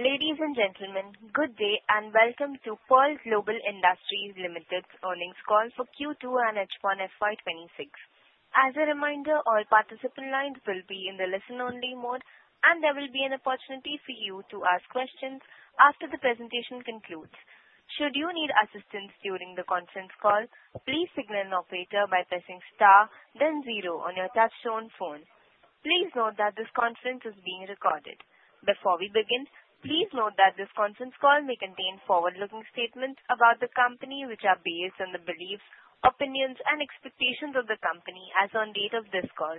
Ladies and gentlemen, good day and welcome to Pearl Global Industries Limited's earnings call for Q2 and H1 FY 2026. As a reminder, all participant lines will be in the listen-only mode, and there will be an opportunity for you to ask questions after the presentation concludes. Should you need assistance during the conference call, please signal an operator by pressing star, then zero on your touch-tone phone. Please note that this conference is being recorded. Before we begin, please note that this conference call may contain forward-looking statements about the company, which are based on the beliefs, opinions, and expectations of the company as of the date of this call.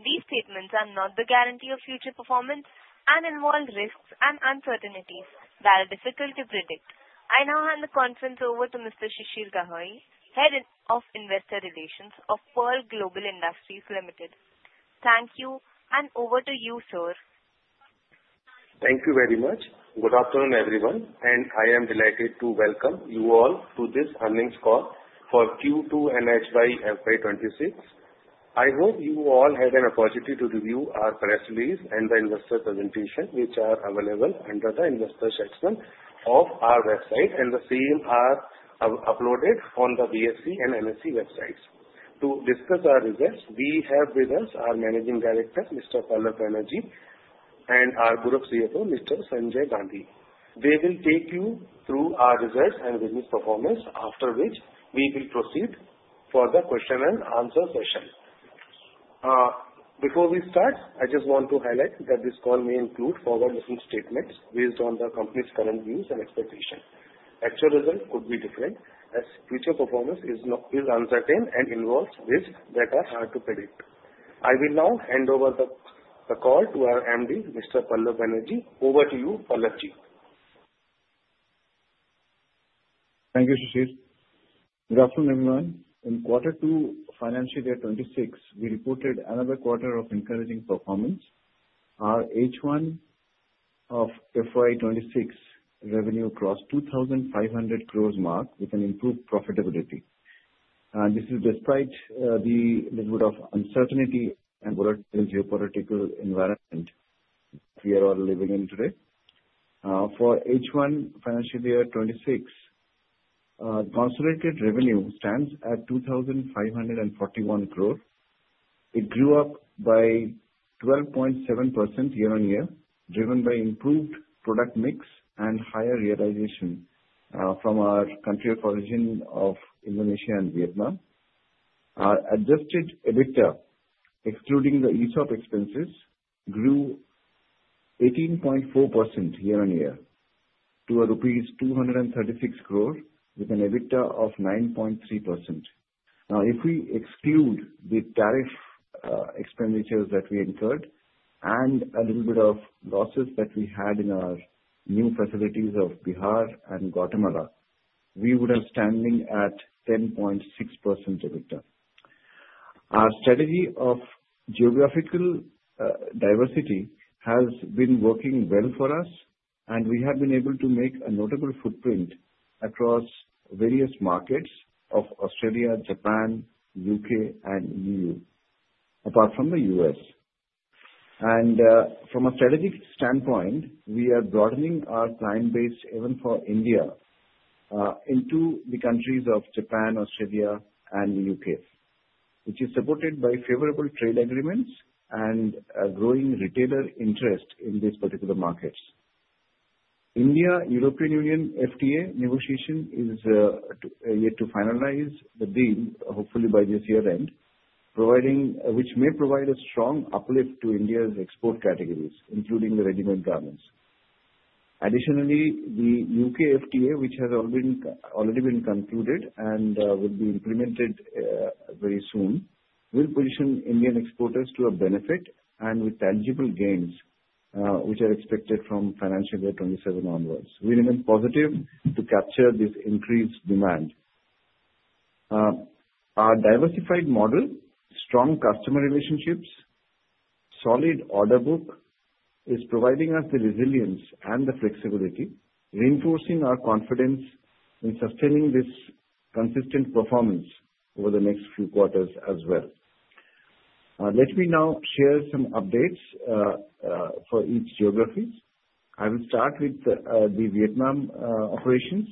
These statements are not the guarantee of future performance and involve risks and uncertainties that are difficult to predict. I now hand the conference over to Mr. Shishir Gahoi, Head of Investor Relations of Pearl Global Industries Limited. Thank you, and over to you, sir. Thank you very much. Good afternoon, everyone, and I am delighted to welcome you all to this earnings call for Q2 and H1 FY 2026. I hope you all had an opportunity to review our press release and the investor presentation, which are available under the Investor Relations section of our website, and the same are uploaded on the BSE and NSE websites. To discuss our results, we have with us our Managing Director, Mr. Pallab Banerjee, and our Group CFO, Mr. Sanjay Gandhi. They will take you through our results and business performance, after which we will proceed for the question and answer session. Before we start, I just want to highlight that this call may include forward-looking statements based on the company's current views and expectations. Actual results could be different as future performance is uncertain and involves risks that are hard to predict. I will now hand over the call to our MD, Mr. Pallab Banerjee. Over to you, Pallab. Thank you, Shishir. Good afternoon, everyone. In Q2, financial year 2026, we reported another quarter of encouraging performance. Our H1 FY 2026 revenue crossed the 2,500 crore mark with an improved profitability. This is despite the level of uncertainty and volatile geopolitical environment we are all living in today. For H1 financial year 2026, consolidated revenue stands at 2,541 crore. It grew up by 12.7% year-on-year, driven by improved product mix and higher realization from our country of origin of Indonesia and Vietnam. Our Adjusted EBITDA, excluding the ESOP expenses, grew 18.4% year-on-year to rupees 236 crore, with an EBITDA of 9.3%. Now, if we exclude the tariff expenditures that we incurred and a little bit of losses that we had in our new facilities of Bihar and Guatemala, we would have a standing at 10.6% EBITDA. Our strategy of geographical diversity has been working well for us, and we have been able to make a notable footprint across various markets of Australia, Japan, the U.K., and the EU, apart from the U.S. From a strategic standpoint, we are broadening our client base even for India into the countries of Japan, Australia, and the U.K., which is supported by favorable trade agreements and a growing retailer interest in these particular markets. India-European Union FTA negotiation is yet to finalize the deal, hopefully by this year-end, which may provide a strong uplift to India's export categories, including the ready-made garments. Additionally, the U.K. FTA, which has already been concluded and will be implemented very soon, will position Indian exporters to a benefit and with tangible gains which are expected from financial year 2027 onwards. We remain positive to capture this increased demand. Our diversified model, strong customer relationships, and solid order book are providing us the resilience and the flexibility, reinforcing our confidence in sustaining this consistent performance over the next few quarters as well. Let me now share some updates for each geography. I will start with the Vietnam operations.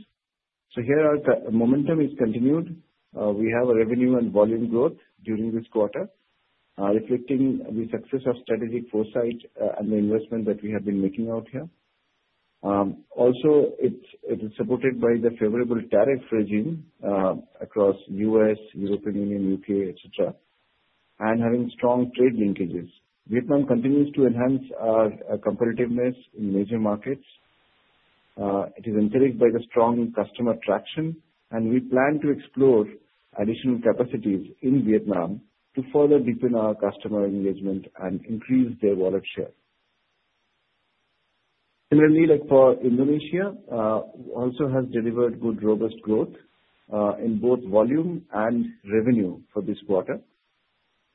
So here the momentum has continued. We have a revenue and volume growth during this quarter, reflecting the success of strategic foresight and the investment that we have been making out here. Also, it is supported by the favorable tariff regime across the U.S., European Union, U.K., etc., and having strong trade linkages. Vietnam continues to enhance our competitiveness in major markets. It is encouraged by the strong customer traction, and we plan to explore additional capacities in Vietnam to further deepen our customer engagement and increase their loyalty. Similarly, for Indonesia, we also have delivered good robust growth in both volume and revenue for this quarter,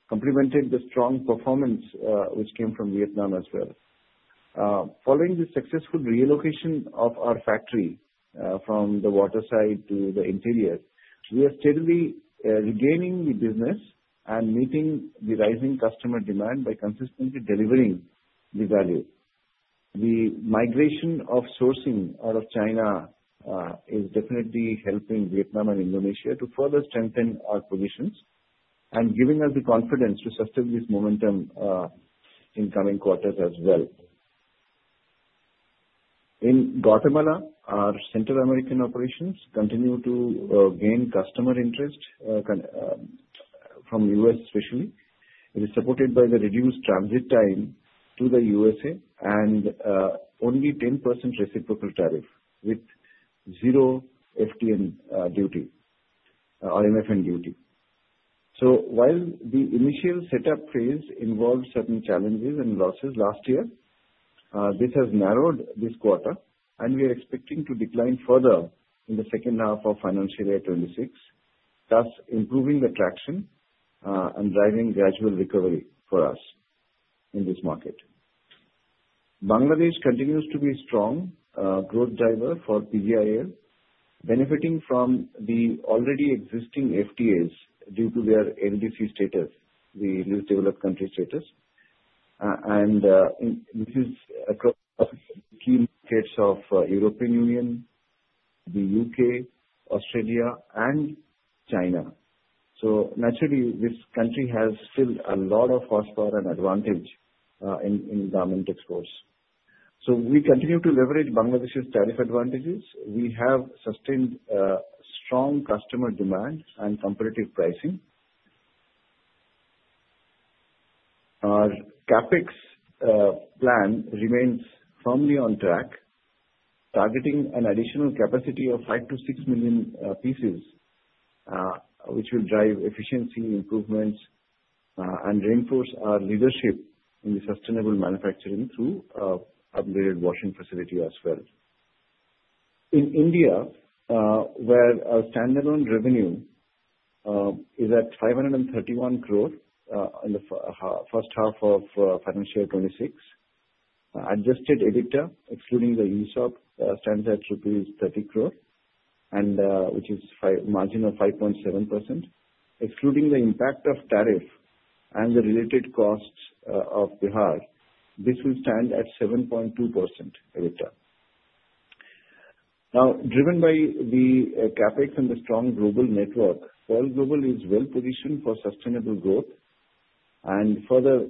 complementing the strong performance which came from Vietnam as well. Following the successful relocation of our factory from the waterside to the interior, we are steadily regaining the business and meeting the rising customer demand by consistently delivering the value. The migration of sourcing out of China is definitely helping Vietnam and Indonesia to further strengthen our positions and giving us the confidence to sustain this momentum in coming quarters as well. In Guatemala, our Central American operations continue to gain customer interest from the U.S., especially. It is supported by the reduced transit time to the USA and only a 10% reciprocal tariff with zero FTA duty or MFN duty. While the initial setup phase involved certain challenges and losses last year, this has narrowed this quarter, and we are expecting to decline further in the second half of financial year 2026, thus improving the traction and driving gradual recovery for us in this market. Bangladesh continues to be a strong growth driver for PGIL, benefiting from the already existing FTAs due to their LDC status, the Least Developed Countries status. And this is across key markets of the European Union, the U.K., Australia, and China. So naturally, this country has still a lot of potential and advantage in garment exports. So we continue to leverage Bangladesh's tariff advantages. We have sustained strong customer demand and competitive pricing. Our CapEx plan remains firmly on track, targeting an additional capacity of five to six million pieces, which will drive efficiency improvements and reinforce our leadership in the sustainable manufacturing through upgraded washing facility as well. In India, where our standalone revenue is at 531 crore in the first half of financial year 2026, Adjusted EBITDA, excluding the ESOP, stands at rupees 30 crore, which is a margin of 5.7%. Excluding the impact of tariff and the related costs of Bihar, this will stand at 7.2% EBITDA. Now, driven by the CapEx and the strong global network, Pearl Global is well-positioned for sustainable growth and further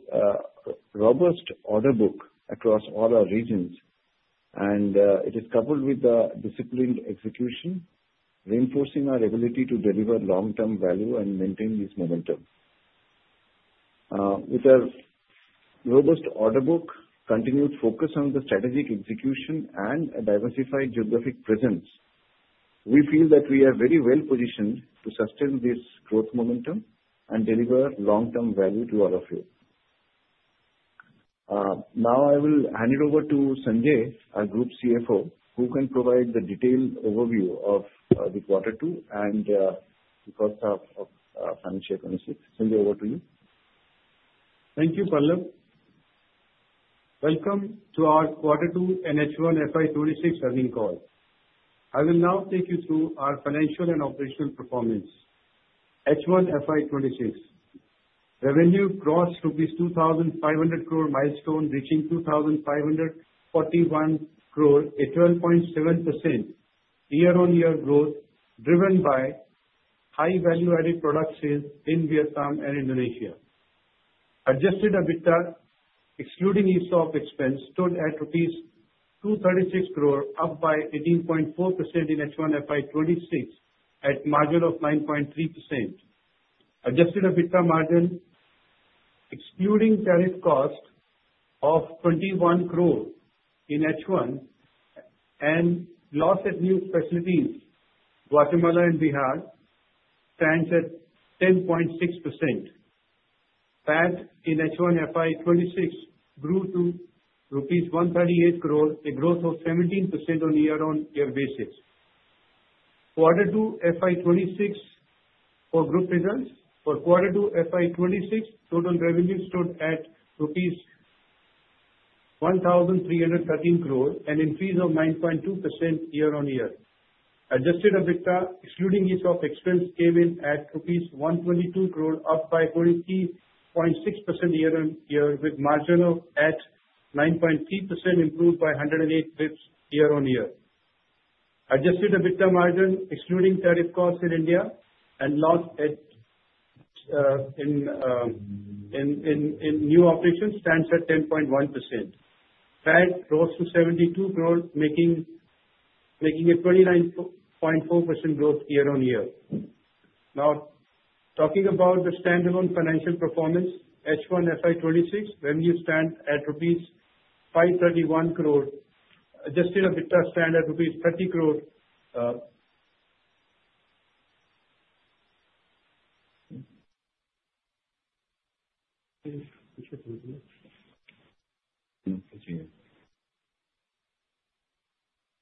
robust order book across all our regions, and it is coupled with the disciplined execution, reinforcing our ability to deliver long-term value and maintain this momentum. With our robust order book, continued focus on the strategic execution, and a diversified geographic presence, we feel that we are very well-positioned to sustain this growth momentum and deliver long-term value to all of you. Now, I will hand it over to Sanjay, our Group CFO, who can provide the detailed overview of the quarter two and the first half of financial year 2026. Sanjay, over to you. Thank you, Pallab. Welcome to our quarter two and H1 FY 2026 earnings call. I will now take you through our financial and operational performance. H1 FY 2026 revenue crossed rupees 2,500 crore milestone, reaching 2,541 crore, a 12.7% year-on-year growth driven by high value-added product sales in Vietnam and Indonesia. Adjusted EBITDA, excluding ESOP expense, stood at rupees 236 crore, up by 18.4% in H1 FY 2026 at a margin of 9.3%. Adjusted EBITDA margin, excluding tariff cost of 21 crore in H1 and loss at new facilities, Guatemala and Bihar, stands at 10.6%. PAT in H1 FY 2026 grew to rupees 138 crore, a growth of 17% on a year-on-year basis. Quarter two FY 2026 for group results. For quarter two FY 2026, total revenue stood at INR 1,313 crore, an increase of 9.2% year-on-year. Adjusted EBITDA, excluding ESOP expense, came in at rupees 122 crore, up by 43.6% year-on-year, with margin at 9.3%, improved by 108 basis points year-on-year. Adjusted EBITDA margin, excluding tariff costs in India and loss in new operations, stands at 10.1%. PAT rose to 72 crore, making a 29.4% growth year-on-year. Now, talking about the standalone financial performance, H1 FY 2026 revenue stands at INR 531 crore. Adjusted EBITDA stands at INR 30 crore.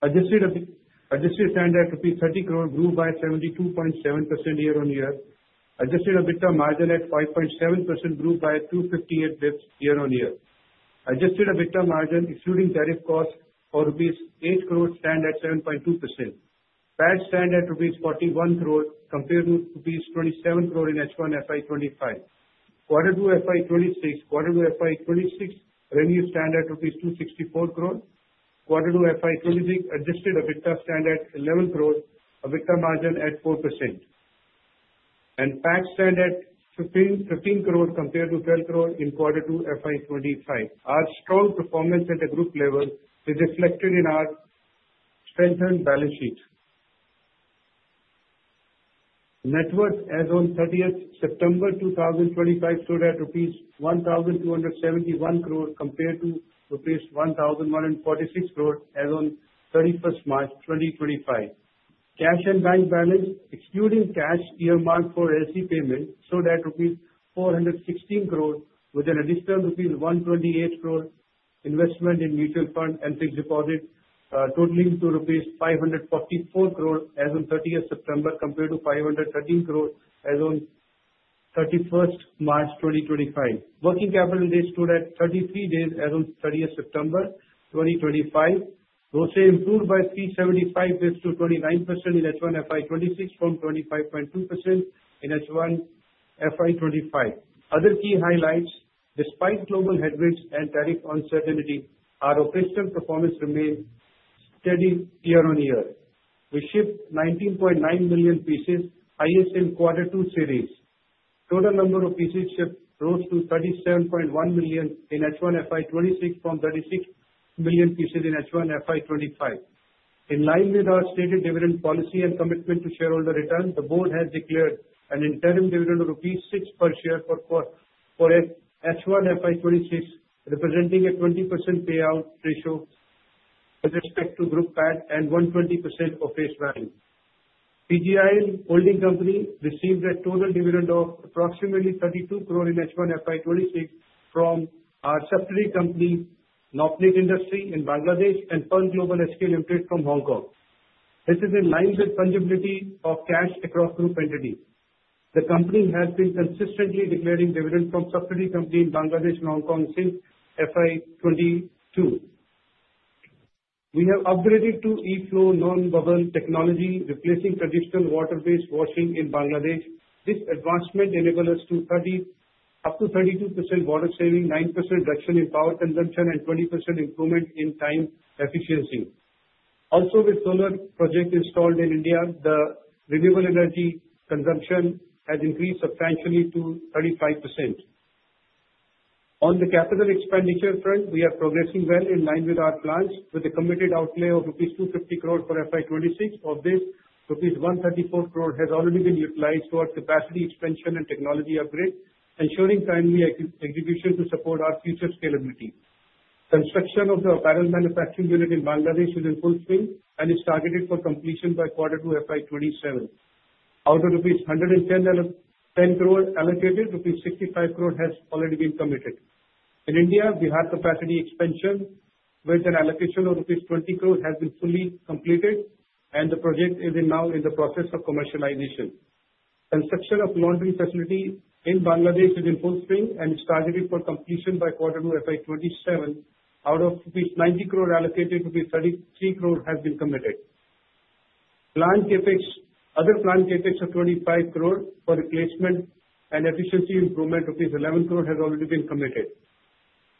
Adjusted EBITDA at 30 crore grew by 72.7% year-on-year. Adjusted EBITDA margin at 5.7% grew by 258 basis points year-on-year. Adjusted EBITDA margin, excluding tariff costs for rupees 8 crore, stands at 7.2%. PAT stands at rupees 41 crore, compared with rupees 27 crore in H1 FY 2025. Quarter two FY 2026, quarter two FY 2026 revenue stands at INR 264 crore. Quarter two FY 2026, Adjusted EBITDA stands at 11 crore. EBITDA margin at 4%. PAT stands at 15 crore, compared with 12 crore in quarter two FY 2025. Our strong performance at the group level is reflected in our strengthened balance sheet. Net worth as of 30th September 2025 stood at rupees 1,271 crore, compared to rupees 1,146 crore as of 31st March 2025. Cash and bank balance, excluding cash earmarked for LC payment, stood at rupees 416 crore, with an additional rupees 128 crore investment in mutual fund and fixed deposit, totaling to rupees 544 crore as of 30th September, compared to 513 crore as of 31st March 2025. Working capital days stood at 33 days as of 30th September 2025. Gross margin improved by 375 basis points to 29% in H1 FY 2026 from 25.2% in H1 FY 2025. Other key highlights, despite global headwinds and tariff uncertainty, our operational performance remained steady year-on-year. We shipped 19.9 million pieces, highest in quarter two series. Total number of pieces shipped rose to 37.1 million in H1 FY 2026 from 36 million pieces in H1 FY 2025. In line with our stated dividend policy and commitment to shareholder return, the board has declared an interim dividend of rupees 6 per share for H1 FY 2026, representing a 20% payout ratio with respect to group PAT and 120% of face value. PGIL received a total dividend of approximately 32 crore in H1 FY 2026 from our subsidiary company, Norp Knit Industries in Bangladesh, and Pearl Global (HK) Limited from Hong Kong. This is in line with fungibility of cash across group entities. The company has been consistently declaring dividend from subsidiary company in Bangladesh and Hong Kong since FY 2022. We have upgraded to e-Flow nanobubbles technology, replacing traditional water-based washing in Bangladesh. This advancement enables us to up to 32% water saving, 9% reduction in power consumption, and 20% improvement in time efficiency. Also, with solar projects installed in India, the renewable energy consumption has increased substantially to 35%. On the capital expenditure front, we are progressing well in line with our plans, with a committed outlay of rupees 250 crore for FY 2026. Of this, rupees 134 crore has already been utilized towards capacity expansion and technology upgrade, ensuring timely execution to support our future scalability. Construction of the apparel manufacturing unit in Bangladesh is in full swing and is targeted for completion by quarter two FY 2027. Out of rupees 110 crore allocated, rupees 65 crore has already been committed. In India, Bihar capacity expansion with an allocation of rupees 20 crore has been fully completed, and the project is now in the process of commercialization. Construction of laundry facility in Bangladesh is in full swing and is targeted for completion by quarter two FY 2027. Out of rupees 90 crore allocated, 33 crore has been committed. Other planned CapEx of 25 crore for replacement and efficiency improvement, rupees 11 crore has already been committed.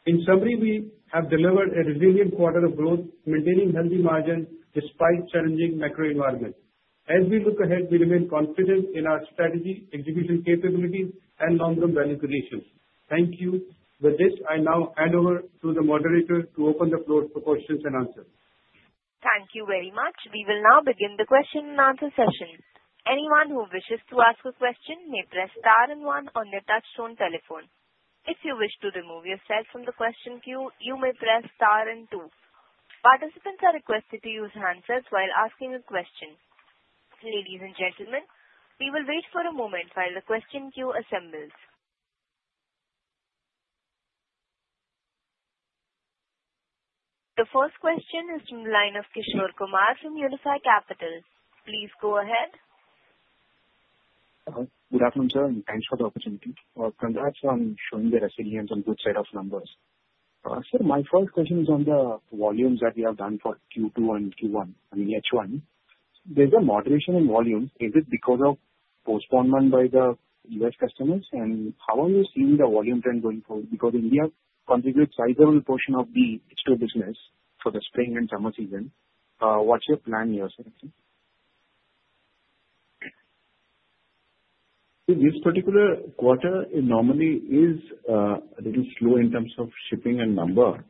In summary, we have delivered a resilient quarter of growth, maintaining healthy margins despite challenging macro environments. As we look ahead, we remain confident in our strategy, execution capabilities, and long-term value creation. Thank you. With this, I now hand over to the moderator to open the floor for questions and answers. Thank you very much. We will now begin the question and answer session. Anyone who wishes to ask a question may press star and one on the touch-tone telephone. If you wish to remove yourself from the question queue, you may press star and two. Participants are requested to use handsets while asking a question. Ladies and gentlemen, we will wait for a moment while the question queue assembles. The first question is from the line of Kishore Kumar from Unifi Capital. Please go ahead. Hello. Good afternoon, sir, and thanks for the opportunity. Congrats on showing the resilience on both sides of numbers. Sir, my first question is on the volumes that we have done for Q2 and Q1, I mean H1. There's a moderation in volume. Is it because of postponement by the U.S. customers? And how are you seeing the volume trend going forward? Because India contributes a sizable portion of the H2 business for the spring and summer season. What's your plan here, sir? This particular quarter normally is a little slow in terms of shipping and number,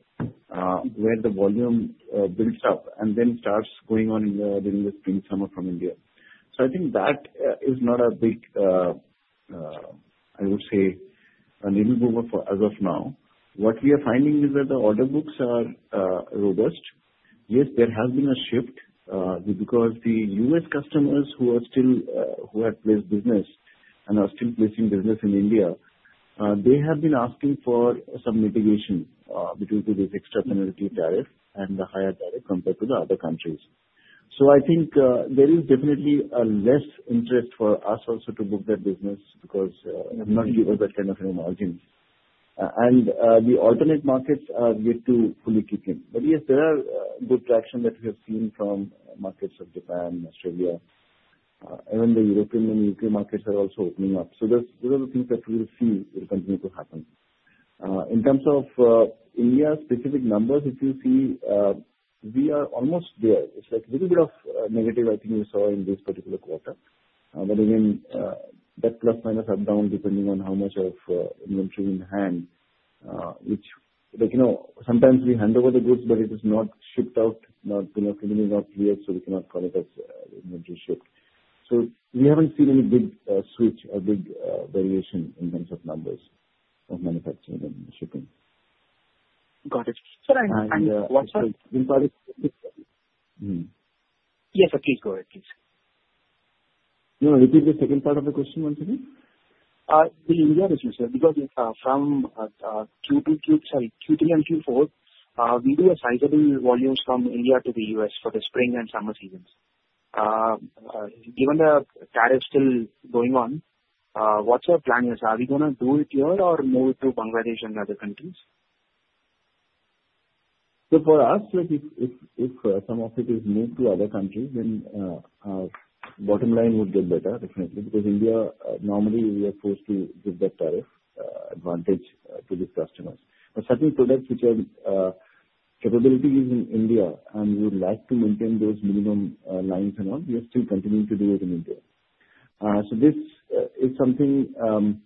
where the volume builds up and then starts going on during the spring summer from India. I think that is not a big, I would say, a needle mover as of now. What we are finding is that the order books are robust. Yes, there has been a shift because the U.S. customers who have placed business and are still placing business in India, they have been asking for some mitigation between this extra penalty tariff and the higher tariff compared to the other countries. I think there is definitely less interest for us also to book that business because it will not give us that kind of margins. The alternate markets are yet to fully kick in. But yes, there is good traction that we have seen from markets of Japan, Australia, and the European and U.K. markets are also opening up. Those are the things that we will see will continue to happen. In terms of India's specific numbers, if you see, we are almost there. It's like a little bit of negative, I think, you saw in this particular quarter. But again, that plus minus up down depending on how much of inventory in hand, which sometimes we hand over the goods, but it is not shipped out, not clearing up yet, so we cannot call it as inventory shipped. So we haven't seen any big switch or big variation in terms of numbers of manufacturing and shipping. Got it. Sir, and what's the. Yes, please go ahead, please. No, repeat the second part of the question once again. The India, as you said, because from Q2 and Q4, we do a sizable volume from India to the U.S. for the spring and summer seasons. Given the tariff still going on, what's your plan, sir? Are we going to do it here or move it to Bangladesh and other countries? So for us, if some of it is moved to other countries, then our bottom line would get better, definitely, because India, normally, we are forced to give that tariff advantage to these customers. But certain products which have capabilities in India and we would like to maintain those minimum lines and all, we are still continuing to do it in India. So this is something.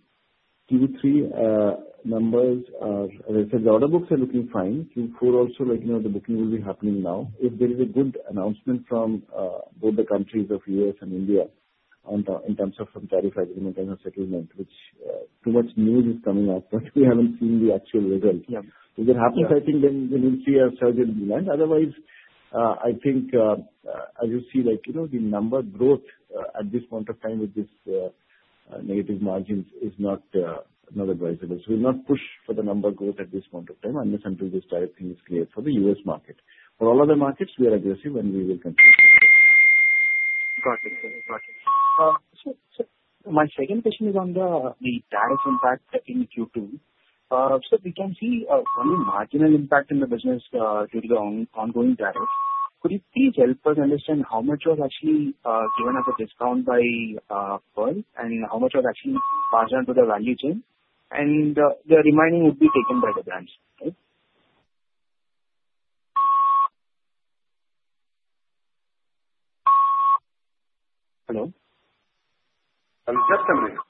Q3 numbers are, the order books are looking fine. Q4 also, the booking will be happening now. If there is a good announcement from both the countries of U.S. and India in terms of some tariff agreement and a settlement, which too much news is coming out, but we haven't seen the actual result. If it happens, I think then we will see a surge in demand. Otherwise, I think, as you see, the number growth at this point of time with these negative margins is not advisable. So we'll not push for the number growth at this point of time unless until this tariff thing is cleared for the U.S. market. For all other markets, we are aggressive and we will continue to do so. Got it, sir. Got it. My second question is on the tariff impact in Q2. Sir, we can see only marginal impact in the business due to the ongoing tariff. Could you please help us understand how much was actually given as a discount by Pearl and how much was actually passed on to the value chain? And the remaining would be taken by the brands, right? Hello? Just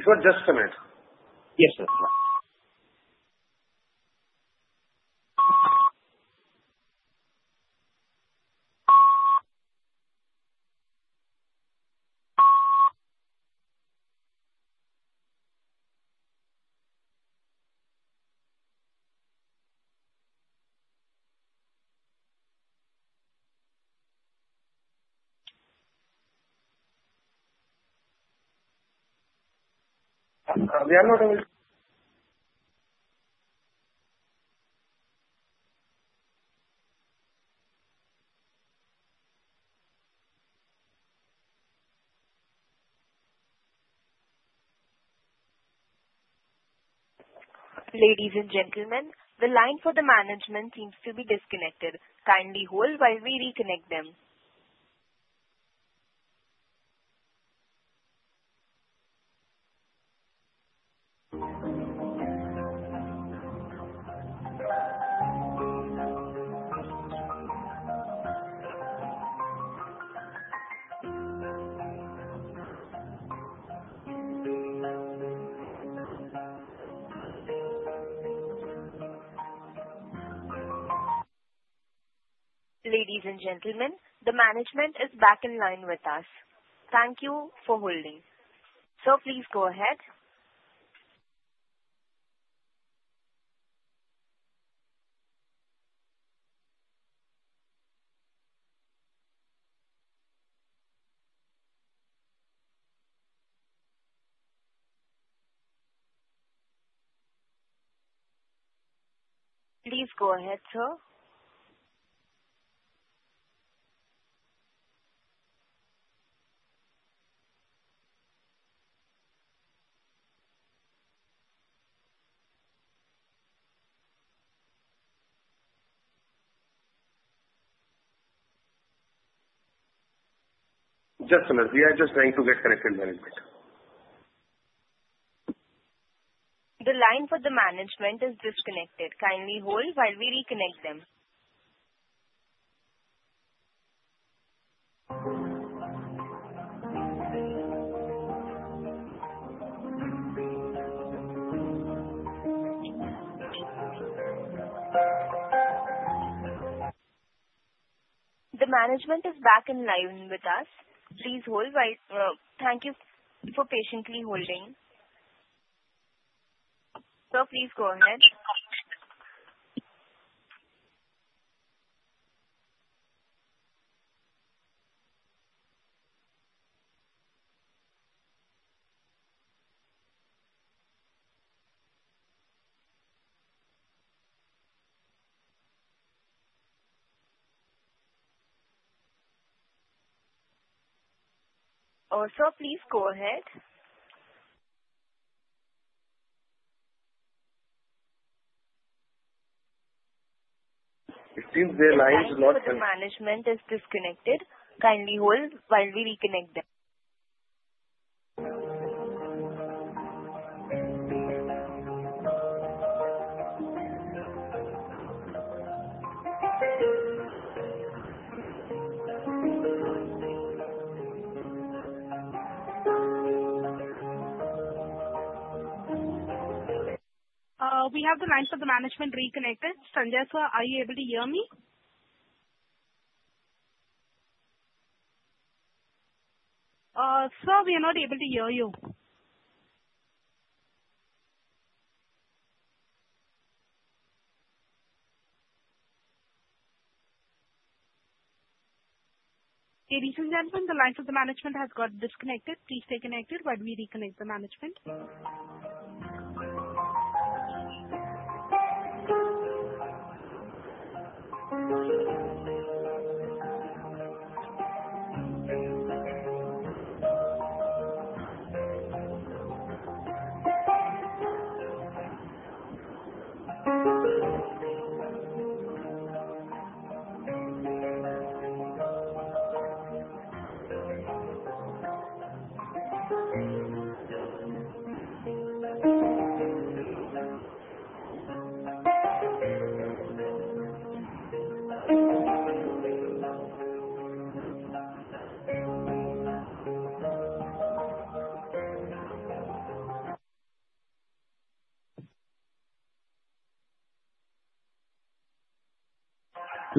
a minute. It was just a minute. Yes, sir. Ladies and gentlemen, the line for the management seems to be disconnected. Kindly hold while we reconnect them. Ladies and gentlemen, the management is back in line with us. Thank you for holding. Sir, please go ahead. Just a minute. We are just trying to get connected to the management. The line for the management is disconnected. Kindly hold while we reconnect them. The management is back in line with us. Thank you for patiently holding. Sir, please go ahead. It seems their line is not. The management is disconnected. Kindly hold while we reconnect them. We have the line for the management reconnected. Sanjay, sir, are you able to hear me? Sir, we are not able to hear you. Ladies and gentlemen, the line for the management has got disconnected. Please stay connected while we reconnect the management.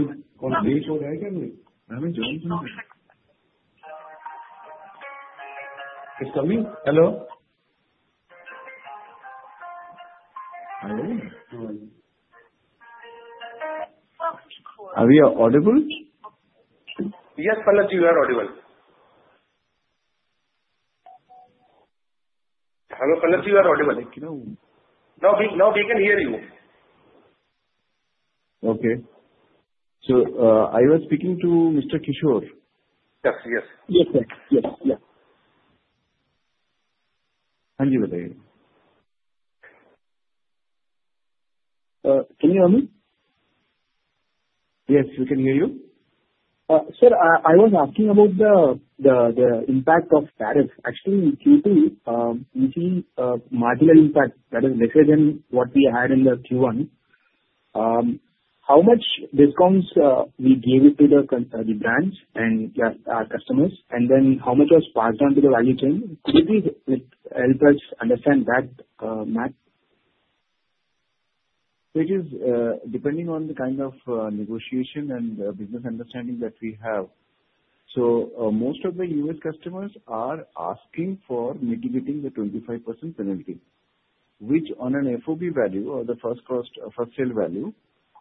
It's coming. Hello? Are we audible? Yes, Pallab, you are audible. Hello, Pallab, we are audible. Now we can hear you. Okay. So I was speaking to Mr. Kishore. Yes, yes. Yes, sir. Yes, yes. Can you hear me? Yes, we can hear you. Sir, I was asking about the impact of tariff. Actually, Q2, we see marginal impact that is lesser than what we had in Q1. How much discounts we gave it to the brands and our customers, and then how much was passed on to the value chain? Could you please help us understand that math? It is depending on the kind of negotiation and business understanding that we have. So most of the U.S. customers are asking for mitigating the 25% penalty, which on an FOB value or the first sale value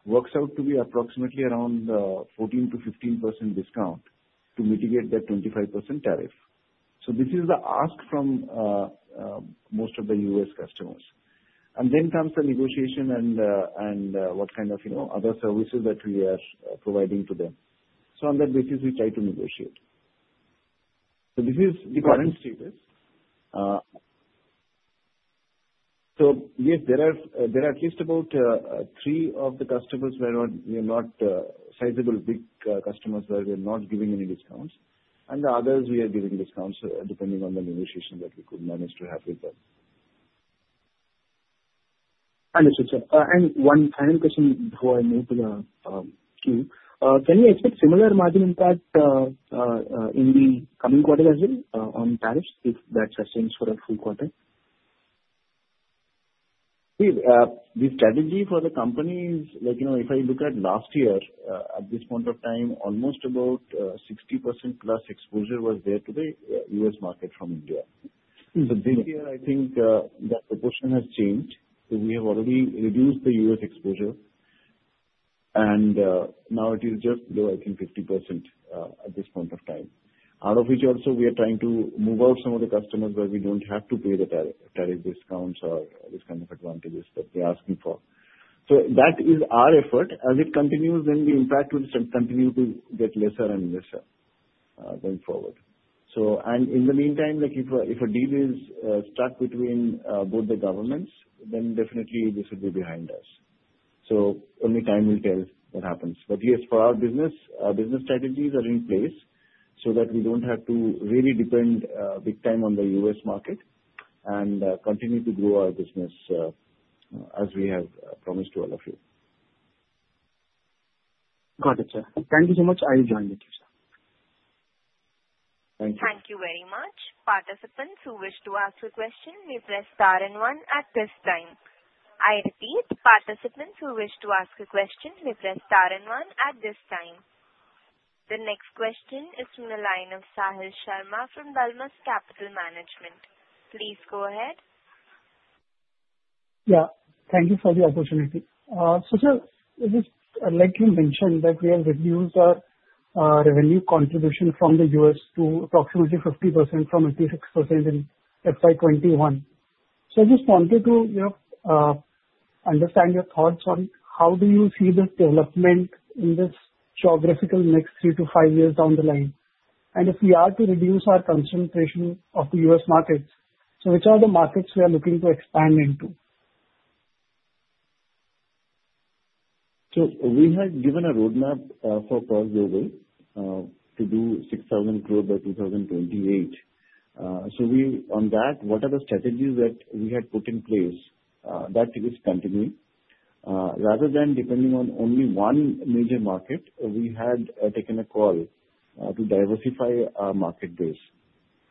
works out to be approximately around 14%-15% discount to mitigate that 25% tariff. So this is the ask from most of the U.S. customers. And then comes the negotiation and what kind of other services that we are providing to them. So on that basis, we try to negotiate. So this is the current status. So yes, there are at least about three of the customers where we are not sizable big customers where we are not giving any discounts. And the others, we are giving discounts depending on the negotiation that we could manage to have with them. Understood, sir. And one final question before I move to the queue. Can we expect similar margin impact in the coming quarter as well on tariffs if that's a change for the full quarter? The strategy for the company is, if I look at last year, at this point of time, almost about 60% plus exposure was there to the U.S. market from India. But this year, I think that proportion has changed. So we have already reduced the U.S. exposure, and now it is just below, I think, 50% at this point of time. Out of which also, we are trying to move out some of the customers where we don't have to pay the tariff discounts or this kind of advantages that they're asking for. So that is our effort. As it continues, then the impact will continue to get lesser and lesser going forward. And in the meantime, if a deal is stuck between both the governments, then definitely this will be behind us. So only time will tell what happens. But yes, for our business, our business strategies are in place so that we don't have to really depend big time on the U.S. market and continue to grow our business as we have promised to all of you. Got it, sir. Thank you so much. I will join the queue, sir. Thank you. Thank you very much. Participants who wish to ask a question may press star and one at this time. I repeat, participants who wish to ask a question may press star and one at this time. The next question is from the line of Sahil Sharma from Dalmus Capital Management. Please go ahead. Yeah. Thank you for the opportunity. So, sir, I'd like to mention that we have reduced our revenue contribution from the U.S. to approximately 50% from 86% in FY 2021. So I just wanted to understand your thoughts on how do you see the development in this geography next three to five years down the line. And if we are to reduce our concentration of the U.S. markets, so which are the markets we are looking to expand into? We had given a roadmap for Pearl Global to do 6,000 crore by 2028. On that, what are the strategies that we had put in place that is continuing? Rather than depending on only one major market, we had taken a call to diversify our market base.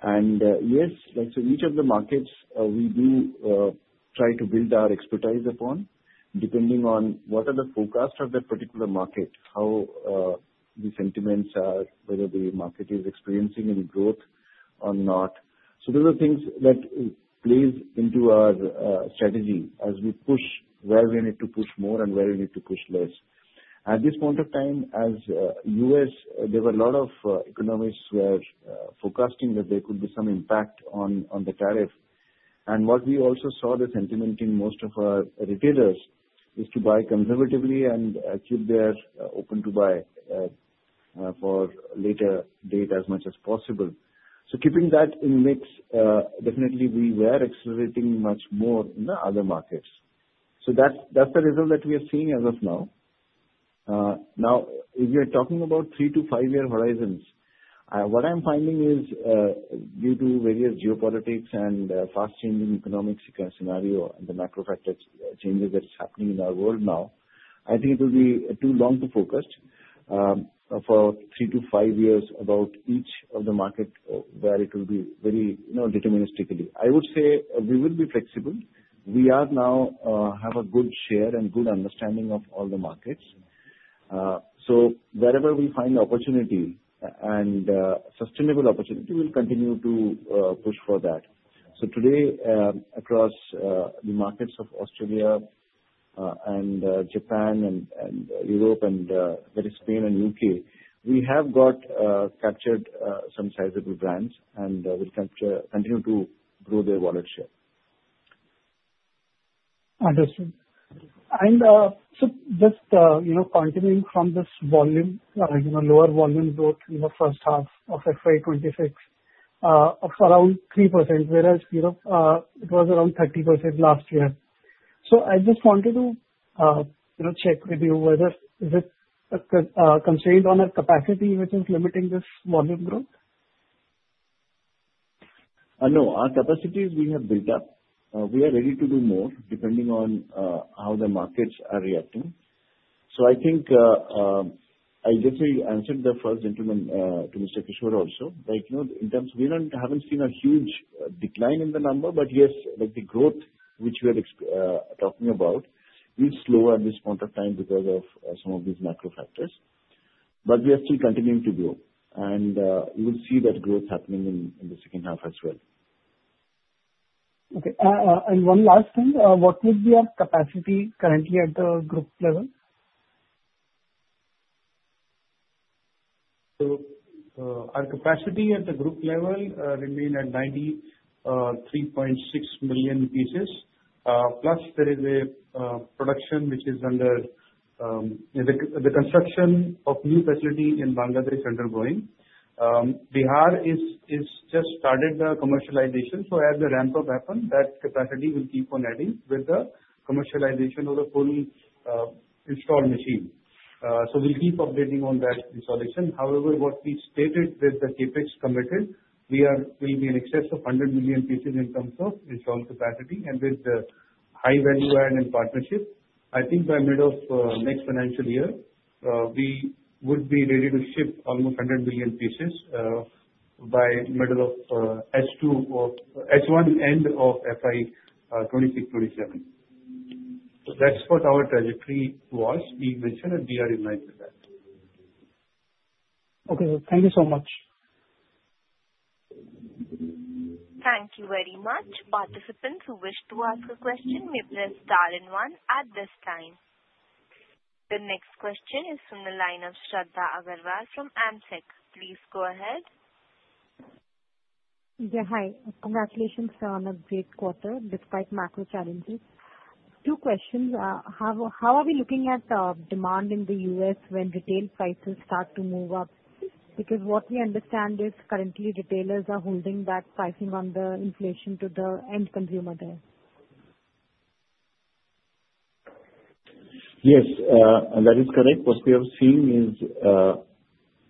Yes, so each of the markets we do try to build our expertise upon depending on what are the forecasts of that particular market, how the sentiments are, whether the market is experiencing any growth or not. Those are things that play into our strategy as we push where we need to push more and where we need to push less. At this point of time, in the U.S., there were a lot of economists who were forecasting that there could be some impact on the tariff. What we also saw, the sentiment in most of our retailers is to buy conservatively and keep their Open-to-Buy for later date as much as possible. Keeping that in the mix, definitely we were accelerating much more in the other markets. That's the result that we are seeing as of now. Now, if you're talking about three to five-year horizons, what I'm finding is due to various geopolitics and fast-changing economic scenario and the macro factor changes that are happening in our world now, I think it will be too long to focus for three to five years about each of the markets where it will be very deterministically. I would say we will be flexible. We now have a good share and good understanding of all the markets. Wherever we find opportunity and sustainable opportunity, we'll continue to push for that. So today, across the markets of Australia and Japan and Europe and Spain and the U.K., we have got captured some sizable brands and will continue to grow their volume share. Understood. And so just continuing from this volume, lower volume growth in the first half of FY 2026 of around 3%, whereas it was around 30% last year. So I just wanted to check with you whether is it constrained on our capacity which is limiting this volume growth? No, our capacity we have built up. We are ready to do more depending on how the markets are reacting. So I think I definitely answered the first gentleman to Mr. Kishore also. In terms of we haven't seen a huge decline in the number, but yes, the growth which we are talking about is slower at this point of time because of some of these macro factors. But we are still continuing to grow. And we will see that growth happening in the second half as well. Okay. And one last thing. What would be our capacity currently at the group level? So our capacity at the group level remains at 93.6 million pieces. Plus, there is a production which is under construction of new facilities in Bangladesh undergoing. Bihar has just started the commercialization. So as the ramp-up happens, that capacity will keep on adding with the commercialization of the fully installed machine. So we'll keep updating on that installation. However, what we stated with the CapEx committed, we will be in excess of 100 million pieces in terms of installed capacity. And with the high-value added and partnership, I think by middle of next financial year, we would be ready to ship almost 100 million pieces by middle of S1 end of FY 2026-2027. So that's what our trajectory was. We mentioned that we are in line with that. Okay. Thank you so much. Thank you very much. Participants who wish to ask a question may press star and one at this time. The next question is from the line of Shradha Agrawal from AMSEC. Please go ahead. Yeah. Hi. Congratulations on a great quarter despite macro challenges. Two questions. How are we looking at demand in the U.S. when retail prices start to move up? Because what we understand is currently retailers are holding back pricing on the inflation to the end consumer there. Yes, that is correct. What we have seen is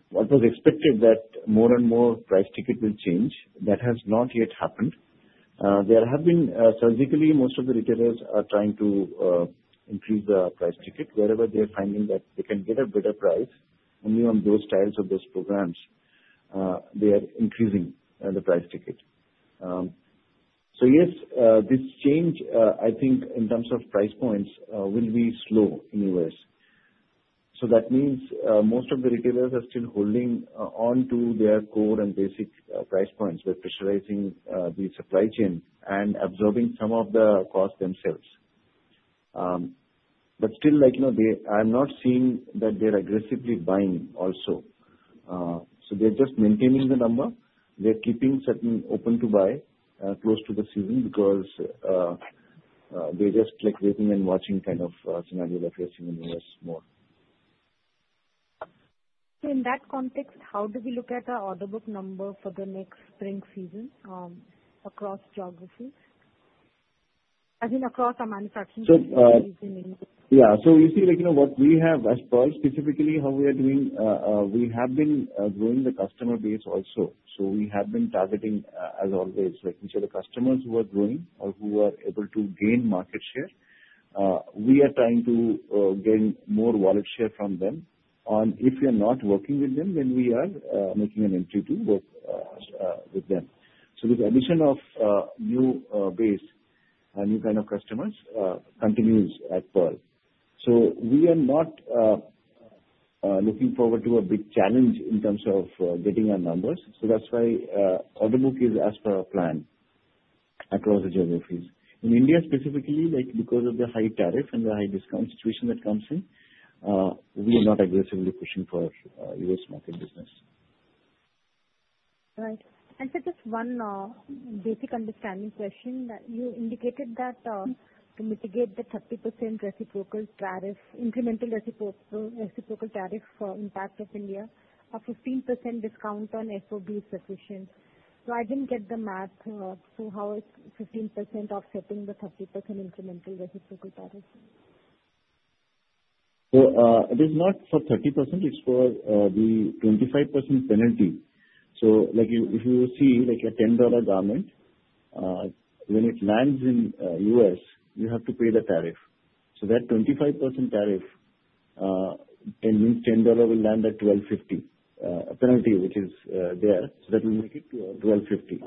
what was expected that more and more price tickets will change. That has not yet happened. There have been strategically most of the retailers are trying to increase the price ticket wherever they're finding that they can get a better price. Only on those styles of those programs, they are increasing the price ticket. So yes, this change, I think in terms of price points, will be slow in the U.S. So that means most of the retailers are still holding on to their core and basic price points by pressurizing the supply chain and absorbing some of the cost themselves. But still, I'm not seeing that they're aggressively buying also. So they're just maintaining the number. They're keeping certain Open-to-Buy close to the season because they're just waiting and watching kind of scenario that we're seeing in the U.S. more. In that context, how do we look at the order book number for the next spring season across geographies? I mean, across our manufacturing region. Yeah. So you see what we have as Pearl specifically, how we are doing, we have been growing the customer base also. So we have been targeting, as always, which are the customers who are growing or who are able to gain market share. We are trying to gain more wallet share from them. And if we are not working with them, then we are making an entry to work with them. So this addition of new base and new kind of customers continues at Pearl. So we are not looking forward to a big challenge in terms of getting our numbers. So that's why order book is as per our plan across the geographies. In India specifically, because of the high tariff and the high discount situation that comes in, we are not aggressively pushing for U.S. market business. Right. For just one basic understanding question, you indicated that to mitigate the 30% reciprocal tariff, incremental reciprocal tariff for impact of India, a 15% discount on FOB is sufficient. So I didn't get the math. So how is 15% offsetting the 30% incremental reciprocal tariff? So it is not for 30%. It's for the 25% penalty. So if you see a $10 garment, when it lands in U.S., you have to pay the tariff. So that 25% tariff means $10 will land at $12.50, a penalty which is there. So that will make it to $12.50.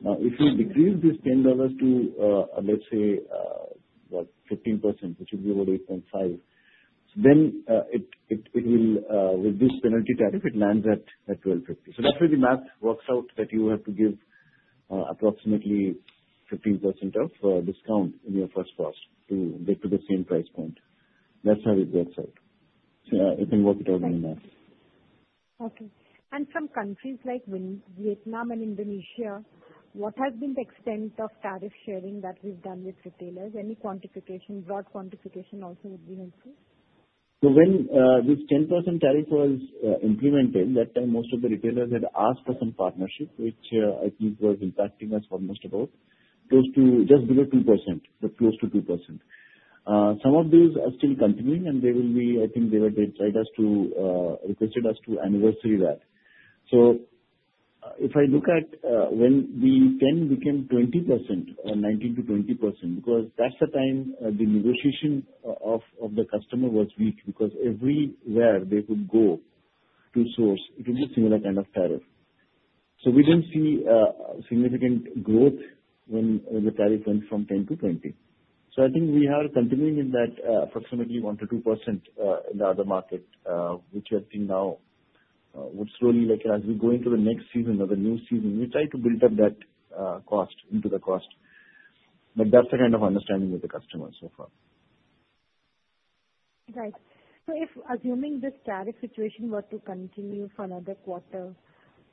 Now, if you decrease this $10 to, let's say, what, 15%, which would be about $8.5, then it will, with this penalty tariff, it lands at $12.50. So that's where the math works out that you have to give approximately 15% of discount in your first cost to get to the same price point. That's how it works out. You can work it out in the math. Okay. And some countries like Vietnam and Indonesia, what has been the extent of tariff sharing that we've done with retailers? Any quantification, broad quantification also would be helpful. So when this 10% tariff was implemented, that time most of the retailers had asked for some partnership, which I think was impacting us almost both close to just below 2%, but close to 2%. Some of these are still continuing, and they will be, I think they were requested us to anniversary that. So if I look at when we then became 20% or 19%-20%, because that's the time the negotiation of the customer was weak because everywhere they could go to source, it would be similar kind of tariff. So we didn't see significant growth when the tariff went from 10%-20%. So I think we are continuing in that approximately 1%-2% in the other market, which I think now would slowly, as we go into the next season or the new season, we try to build up that cost into the cost. But that's the kind of understanding with the customers so far. Right. So if assuming this tariff situation were to continue for another quarter,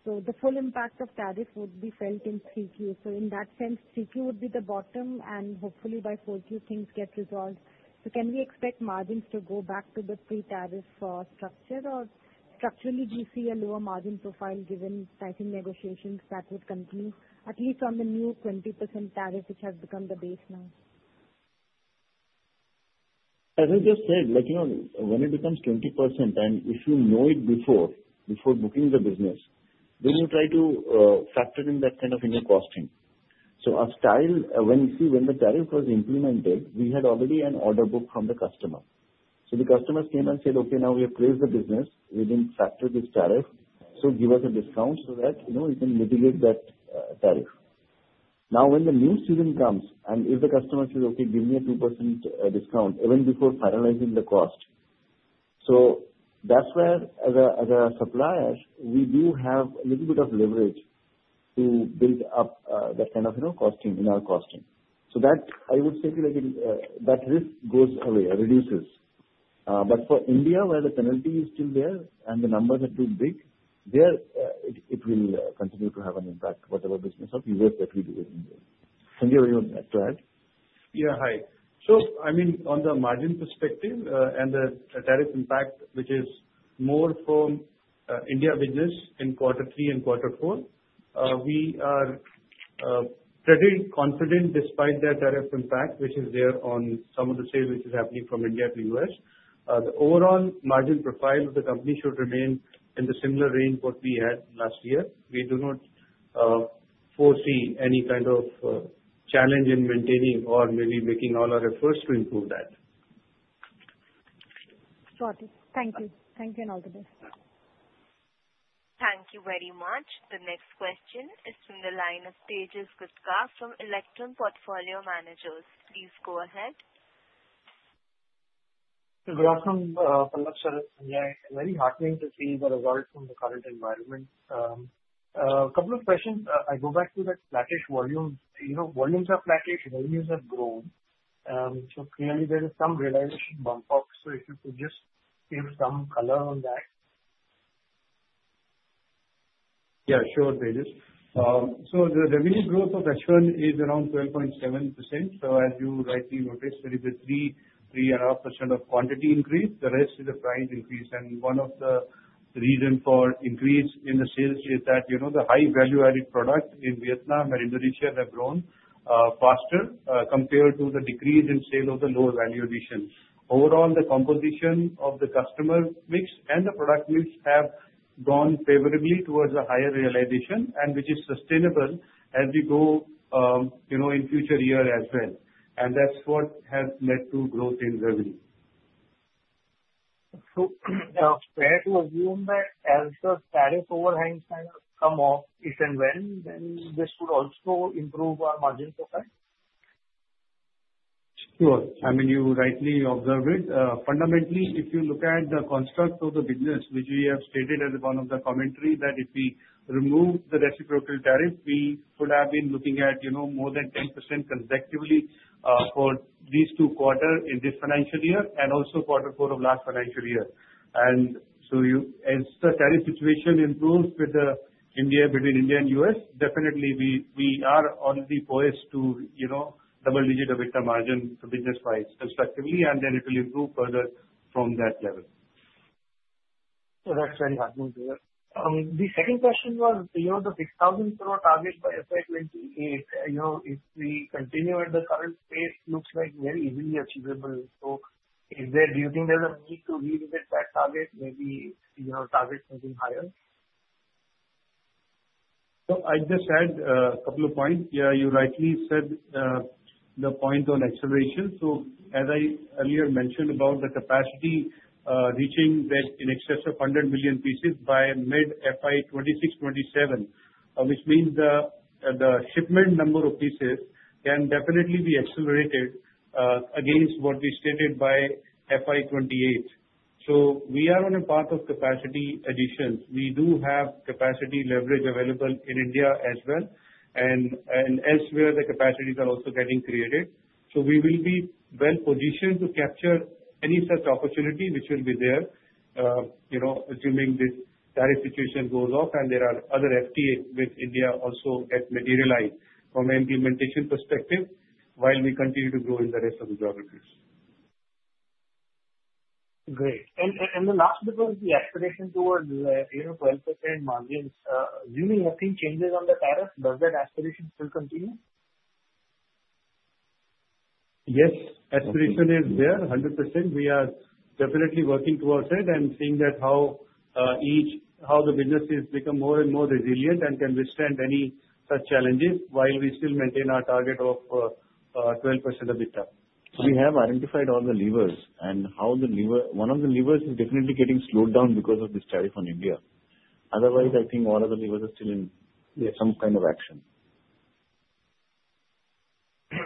so the full impact of tariff would be felt in 3Q. So in that sense, 3Q would be the bottom, and hopefully by 4Q, things get resolved. Can we expect margins to go back to the pre-tariff structure? Or structurally, do you see a lower margin profile given pricing negotiations that would continue, at least on the new 20% tariff, which has become the base now? As I just said, looking at when it becomes 20%, and if you know it before booking the business, then you try to factor in that kind of in the costing. So when you see when the tariff was implemented, we had already an order book from the customer. So the customers came and said, "Okay, now we have placed the business. We didn't factor this tariff, so give us a discount so that we can mitigate that tariff." Now, when the new season comes and if the customer says, "Okay, give me a 2% discount," even before finalizing the cost. So that's where, as a supplier, we do have a little bit of leverage to build up that kind of costing in our costing. So I would say that risk goes away, reduces. But for India, where the penalty is still there and the numbers are too big, it will continue to have an impact whatever business to U.S. that we do from India. Sanjay, what do you want to add? Yeah. Hi. So I mean, on the margin perspective and the tariff impact, which is more for India business in quarter three and quarter four, we are pretty confident despite that tariff impact, which is there on some of the sales which is happening from India to U.S. The overall margin profile of the company should remain in the similar range what we had last year. We do not foresee any kind of challenge in maintaining or maybe making all our efforts to improve that. Got it. Thank you. Thank you and all the best. Thank you very much. The next question is from the line of Tejas Gutka from Electrum Portfolio Managers. Please go ahead. Very heartening to see the result from the current environment. A couple of questions. I go back to that flattish volumes. Volumes are flattish. Volumes have grown. So clearly, there is some realization bump up. So if you could just give some color on that. Yeah. Sure. So the revenue growth of H1 is around 12.7%. So as you rightly noticed, there is a 3.5% of quantity increase. The rest is a price increase. And one of the reasons for increase in the sales is that the high value-added product in Vietnam and Indonesia have grown faster compared to the decrease in sale of the lower value addition. Overall, the composition of the customer mix and the product mix have gone favorably towards a higher realization, which is sustainable as we go in future year as well. And that's what has led to growth in revenue. So fair to assume that as the tariff overhangs kind of come off, if and when, then this would also improve our margin profile? Sure. I mean, you rightly observed it. Fundamentally, if you look at the construct of the business, which we have stated as one of the commentaries that if we remove the reciprocal tariff, we could have been looking at more than 10% consecutively for these two quarters in this financial year and also quarter four of last financial year, and so as the tariff situation improves between India and U.S., definitely we are already poised to double-digit EBITDA margin for the business prospectively, and then it will improve further from that level. So that's very heartening to hear. The second question was the 6,000 crore target by FY 2028. If we continue at the current pace, it looks like very easily achievable. So do you think there's a need to revisit that target, maybe target something higher? So I just had a couple of points. Yeah, you rightly said the point on acceleration. So as I earlier mentioned about the capacity reaching that in excess of 100 million pieces by mid-FY 2026-2027, which means the shipment number of pieces can definitely be accelerated against what we stated by FY 2028. So we are on a path of capacity addition. We do have capacity leverage available in India as well. And elsewhere, the capacities are also getting created. So we will be well-positioned to capture any such opportunity which will be there, assuming this tariff situation goes off and there are other FTAs with India also get materialized from an implementation perspective while we continue to grow in the rest of the geographies. Great. And the last bit was the aspiration towards 12% margins. Assuming nothing changes on the tariff, does that aspiration still continue? Yes. Aspiration is there, 100%. We are definitely working towards it and seeing how the businesses become more and more resilient and can withstand any such challenges while we still maintain our target of 12% of the top. We have identified all the levers and how one of the levers is definitely getting slowed down because of this tariff on India. Otherwise, I think all of the levers are still in some kind of action.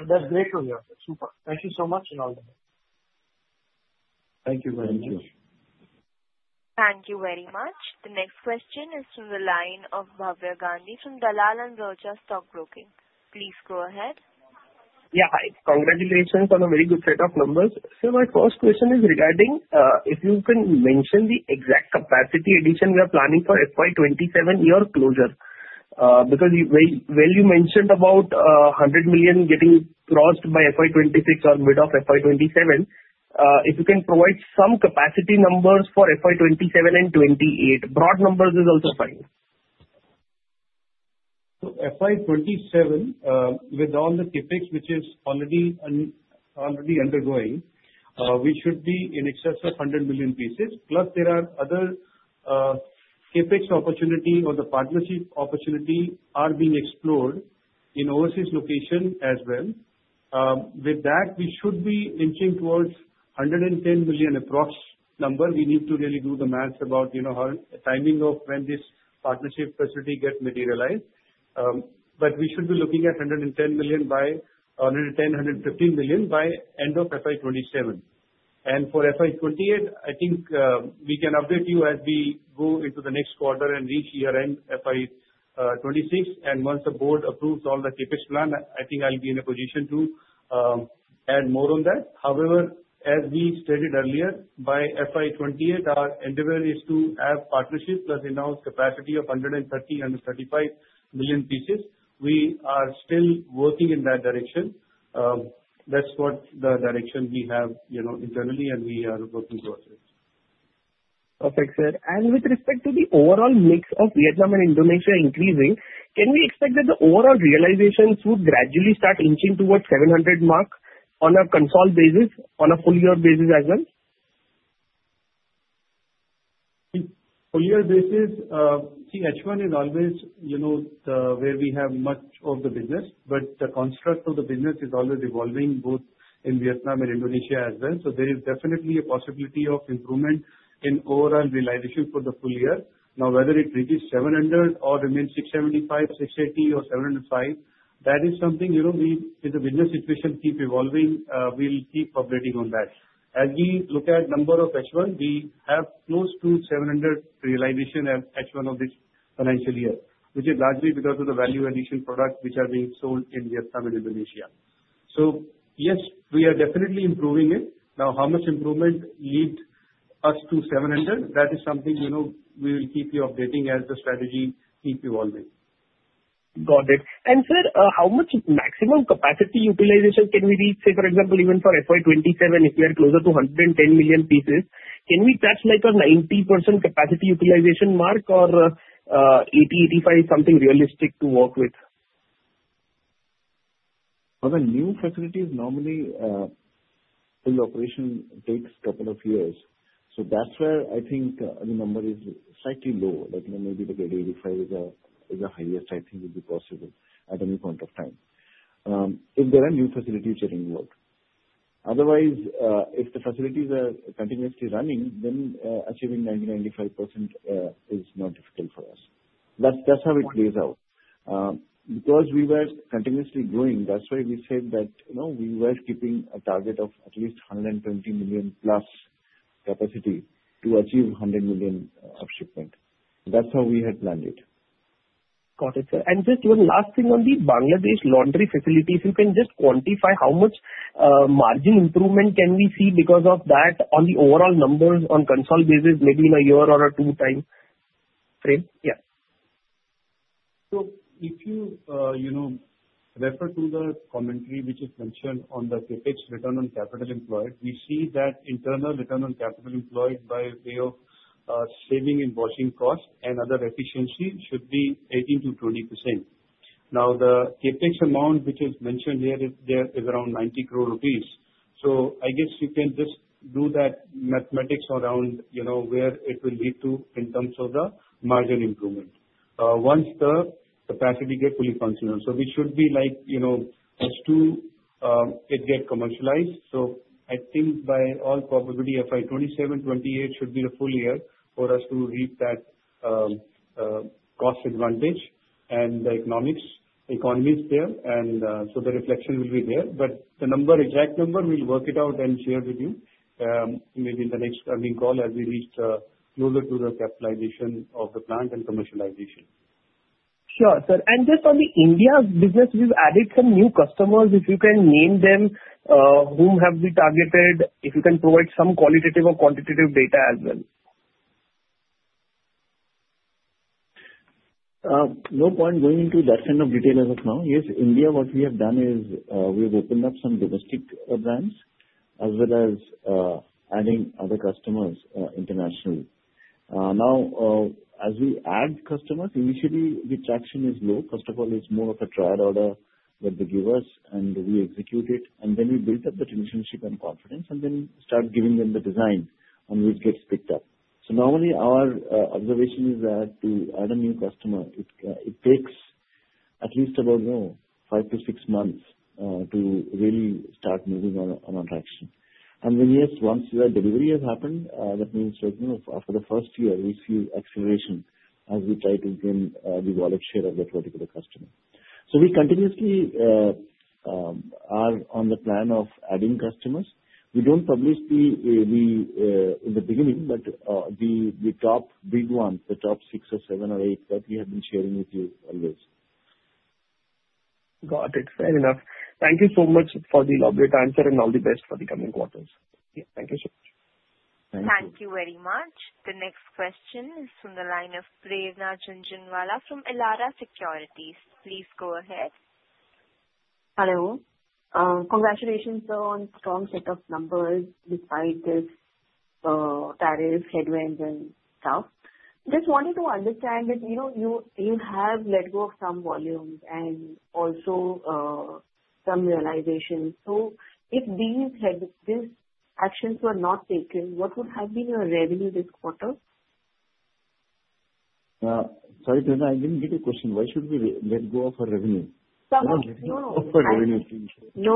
That's great to hear. Super. Thank you so much and all the best. Thank you very much. Thank you. Thank you very much. The next question is from the line of Bhavya Gandhi from Dalal & Broacha Stock Broking. Please go ahead. Yeah. Congratulations on a very good set of numbers. So my first question is regarding if you can mention the exact capacity addition we are planning for FY 2027 year closure. Because while you mentioned about 100 million getting crossed by FY 2026 or mid of FY 2027, if you can provide some capacity numbers for FY 2027 and FY 2028. Broad numbers is also fine. So FY 2027, with all the CapEx, which is already undergoing, we should be in excess of 100 million pieces. Plus, there are other CapEx opportunities or the partnership opportunities being explored in overseas locations as well. With that, we should be inching towards 110 million approximate number. We need to really do the math about the timing of when this partnership facility gets materialized. But we should be looking at 110 million-115 million by end of FY 2027. For FY 2028, I think we can update you as we go into the next quarter and reach year-end FY 2026. Once the board approves all the CapEx plan, I think I'll be in a position to add more on that. However, as we stated earlier, by FY 2028, our endeavor is to have partnerships that announce capacity of 130 million-135 million pieces. We are still working in that direction. That's what the direction we have internally, and we are working towards it. Perfect. With respect to the overall mix of Vietnam and Indonesia increasing, can we expect that the overall realization should gradually start inching towards 700 mark on a consolidated basis, on a full-year basis as well? On a full-year basis, see, H1 is always where we have much of the business, but the construct of the business is always evolving both in Vietnam and Indonesia as well. So there is definitely a possibility of improvement in overall realization for the full year. Now, whether it reaches 700 or remains 675, 680, or 705, that is something we, as a business situation, keep evolving. We'll keep updating on that. As we look at the number of exports, we have close to 700 realization export of this financial year, which is largely because of the value-addition products which are being sold in Vietnam and Indonesia. So yes, we are definitely improving it. Now, how much improvement leads us to 700? That is something we will keep you updating as the strategy keeps evolving. Got it. And sir, how much maximum capacity utilization can we reach? Say for example, even for FY 2027, if we are closer to 110 million pieces, can we touch like a 90% capacity utilization mark or 80, 85, something realistic to work with? For the new facilities, normally full operation takes a couple of years. So that's where I think the number is slightly low. Maybe the 85 is the highest, I think, would be possible at any point of time if there are new facilities getting built. Otherwise, if the facilities are continuously running, then achieving 90%-95% is not difficult for us. That's how it plays out. Because we were continuously growing, that's why we said that we were keeping a target of at least 120 million plus capacity to achieve 100 million of shipment. That's how we had planned it. Got it, sir. And just one last thing on the Bangladesh laundry facilities, if you can just quantify how much margin improvement can we see because of that on the overall numbers on consolidated basis, maybe in a year or a two-time frame? Yeah. If you refer to the commentary which is mentioned on the CapEx return on capital employed, we see that internal return on capital employed by way of saving in washing cost and other efficiency should be 18%-20%. Now, the CapEx amount which is mentioned here is around 90 crore rupees. I guess you can just do that mathematics around where it will lead to in terms of the margin improvement once the capacity gets fully functional. We should be like as soon as it gets commercialized. I think by all probability, FY 2027-2028 should be the full year for us to reap that cost advantage and the economies there. The reflection will be there. But the exact number, we'll work it out and share with you maybe in the next earnings call as we reach closer to the capitalization of the plant and commercialization. Sure, sir. And just on the India business, we've added some new customers. If you can name them, who have we targeted? If you can provide some qualitative or quantitative data as well. No point going into that kind of detail as of now. Yes, India, what we have done is we've opened up some domestic brands as well as adding other customers internationally. Now, as we add customers, initially, the traction is low. First of all, it's more of a trial order that they give us, and we execute it. And then we build up the relationship and confidence and then start giving them the design on which gets picked up. So normally, our observation is that to add a new customer, it takes at least about five to six months to really start moving on traction. And then yes, once the delivery has happened, that means for the first year, we see acceleration as we try to gain the volume share of that particular customer. So we continuously are on the plan of adding customers. We don't publish them in the beginning, but the top big ones, the top six or seven or eight that we have been sharing with you always. Got it. Fair enough. Thank you so much for the elaborate answer and all the best for the coming quarters. Thank you so much. Thank you. Thank you very much. The next question is from the line of Prerna Jhunjhunwala from Elara Securities. Please go ahead. Hello. Congratulations on a strong set of numbers despite this tariff headwind and stuff. Just wanted to understand that you have let go of some volume and also some realization. So if these actions were not taken, what would have been your revenue this quarter? Sorry, Prerna, I didn't get your question. Why should we let go of our revenue? We're not letting go of our revenue. No,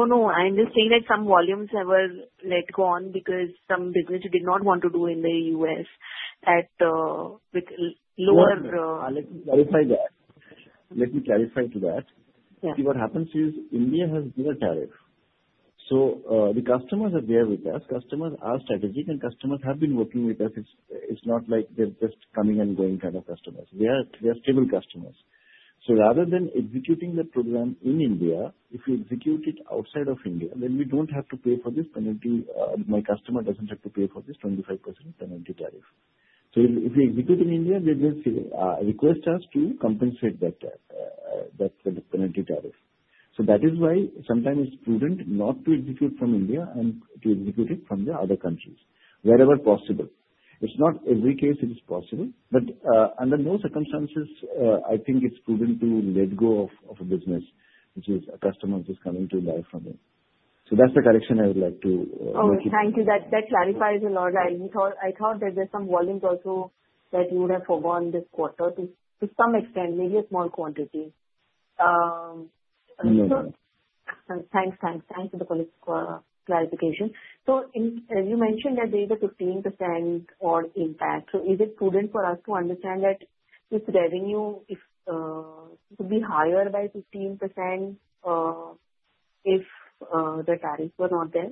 no. I'm just saying that some volumes were let gone because some businesses did not want to do in the U.S. with lower volume. Let me clarify that. Let me clarify to that. See what happens is India has zero tariff. So the customers are there with us. Customers are strategic, and customers have been working with us. It's not like they're just coming and going kind of customers. They are stable customers. So rather than executing the program in India, if we execute it outside of India, then we don't have to pay for this penalty. My customer doesn't have to pay for this 25% penalty tariff. So if we execute in India, they will request us to compensate that penalty tariff. So that is why sometimes it's prudent not to execute from India and to execute it from the other countries wherever possible. It's not every case it is possible, but under no circumstances, I think it's prudent to let go of a business which is a customer who's coming to life from it. So that's the correction I would like to make. Thank you. That clarifies a lot, I think. I thought that there's some volumes also that you would have forgone this quarter to some extent, maybe a small quantity. Thanks. Thanks. Thanks for the clarification. So you mentioned that there is a 15% impact. So is it prudent for us to understand that this revenue could be higher by 15% if the tariffs were not there?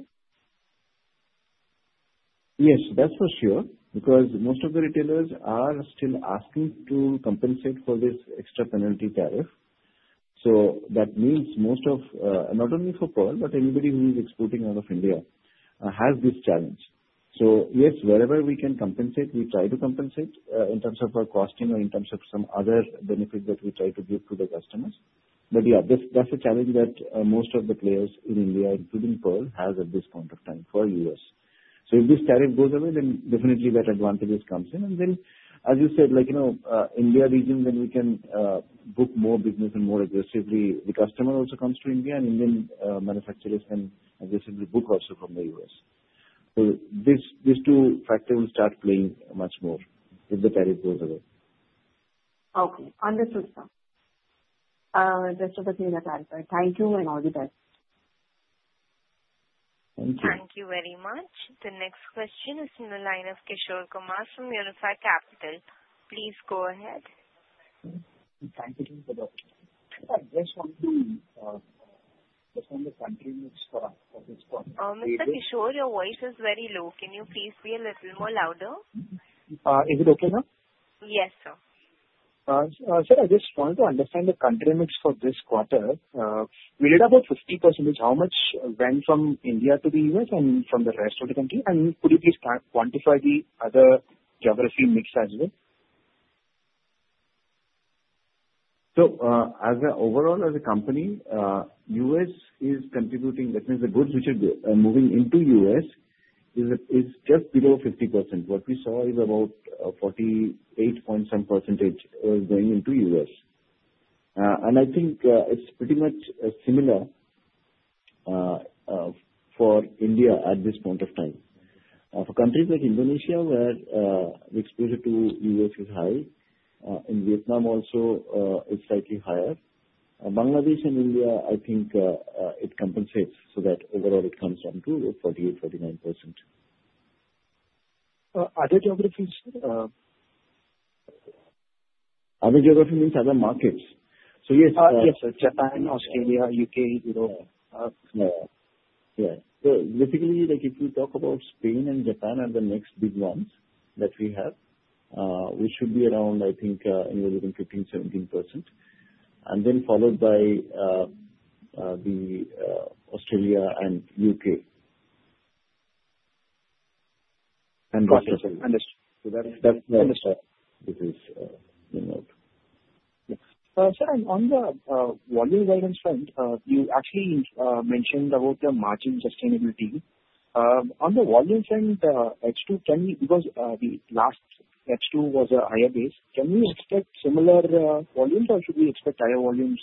Yes, that's for sure. Because most of the retailers are still asking to compensate for this extra penalty tariff. So that means most of not only for Pearl, but anybody who is exporting out of India has this challenge. So yes, wherever we can compensate, we try to compensate in terms of our costing or in terms of some other benefit that we try to give to the customers. But yeah, that's the challenge that most of the players in India, including Pearl, have at this point of time for the U.S. So if this tariff goes away, then definitely that advantage comes in. Then, as you said, India region, then we can book more business and more aggressively. The customer also comes to India, and Indian manufacturers can aggressively book also from the U.S.. So these two factors will start playing much more if the tariff goes away. Okay. Understood, sir. Just to let me clarify. Thank you and all the best. Thank you. Thank you very much. The next question is from the line of Kishore Kumar from Unifi Capital. Please go ahead. Thank you for the question. Just want to understand the country mix for this quarter. Mr. Kishore, your voice is very low. Can you please be a little more louder? Is it okay now? Yes, sir. Sir, I just wanted to understand the country mix for this quarter. We did about 50%. How much went from India to the U.S. and from the rest of the country? And could you please quantify the other geography mix as well? So overall, as a company, U.S. is contributing. That means the goods which are moving into U.S. is just below 50%. What we saw is about 48.7% was going into U.S. And I think it's pretty much similar for India at this point of time. For countries like Indonesia, where the exposure to U.S. is high, in Vietnam also it's slightly higher. Bangladesh and India, I think it compensates so that overall it comes down to 48%-49%. Other geographies, sir? Other geographies means other markets. So yes. Yes, sir. Japan, Australia, U.K., Europe. Yeah. So basically, if you talk about Spain and Japan are the next big ones that we have, we should be around, I think, anywhere between 15%-17%. And then followed by the Australia and U.K. Gotcha. Understood. So that's the. This is the note. Sir, on the volume guidance front, you actually mentioned about the margin sustainability. On the volume front, H2, can we because the last H2 was a higher base, can we expect similar volumes, or should we expect higher volumes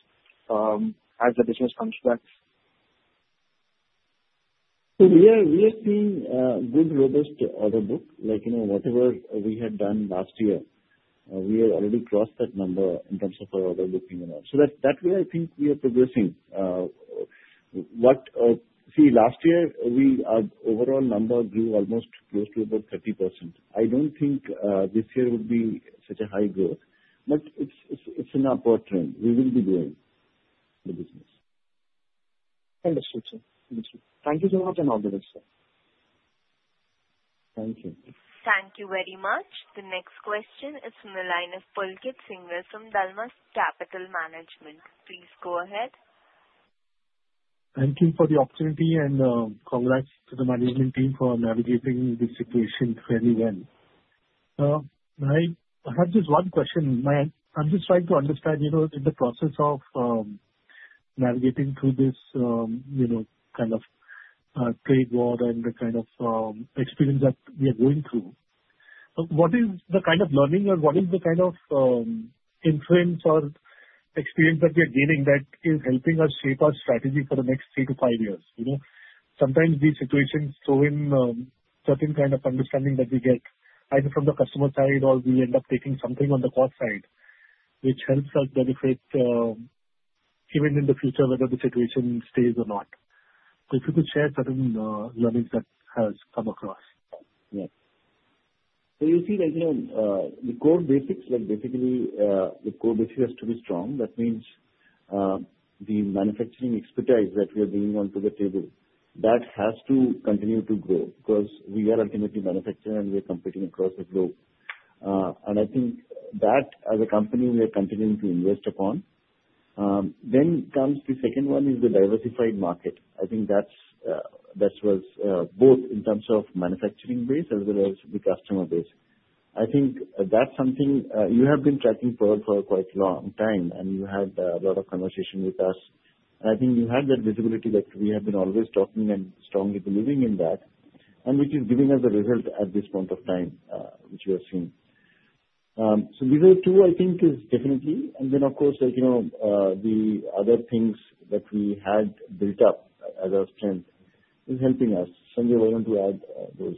as the business comes back? So we are seeing good, robust order book. Whatever we had done last year, we have already crossed that number in terms of our order booking and all. So that way, I think we are progressing. See, last year, our overall number grew almost close to about 30%. I don't think this year would be such a high growth, but it's an upward trend. We will be doing the business. Understood, sir. Thank you so much and all the best, sir. Thank you. Thank you very much. The next question is from the line of Pulkit Singhal from Dalmus Capital Management. Please go ahead. Thank you for the opportunity and congrats to the management team for navigating this situation fairly well. I have just one question. I'm just trying to understand in the process of navigating through this kind of trade war and the kind of experience that we are going through, what is the kind of learning or what is the kind of influence or experience that we are gaining that is helping us shape our strategy for the next three to five years? Sometimes these situations throw in certain kind of understanding that we get either from the customer side or we end up taking something on the cost side, which helps us benefit even in the future whether the situation stays or not. If you could share certain learnings that have come across. Yeah. So you see that the core basics, basically, the core basics has to be strong. That means the manufacturing expertise that we are bringing onto the table, that has to continue to grow because we are ultimately manufacturing and we are competing across the globe. And I think that as a company, we are continuing to invest upon. Then comes the second one is the diversified market. I think that was both in terms of manufacturing base as well as the customer base. I think that's something you have been tracking Pearl for quite a long time, and you had a lot of conversation with us. And I think you had that visibility that we have been always talking and strongly believing in that, and which is giving us the result at this point of time, which we have seen. So these are two, I think, is definitely. Then, of course, the other things that we had built up as our strength is helping us. Sanjay, why don't you add those.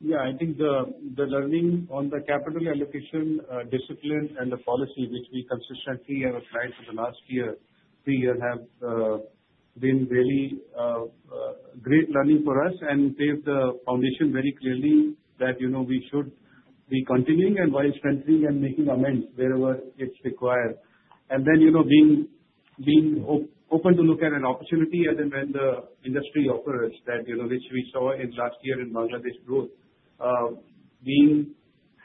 Yeah. I think the learning on the capital allocation discipline and the policy which we consistently have applied for the last three years have been really great learning for us and paved the foundation very clearly that we should be continuing and while strengthening and making amends wherever it's required. Then being open to look at an opportunity as in when the industry offers that, which we saw in last year in Bangladesh growth,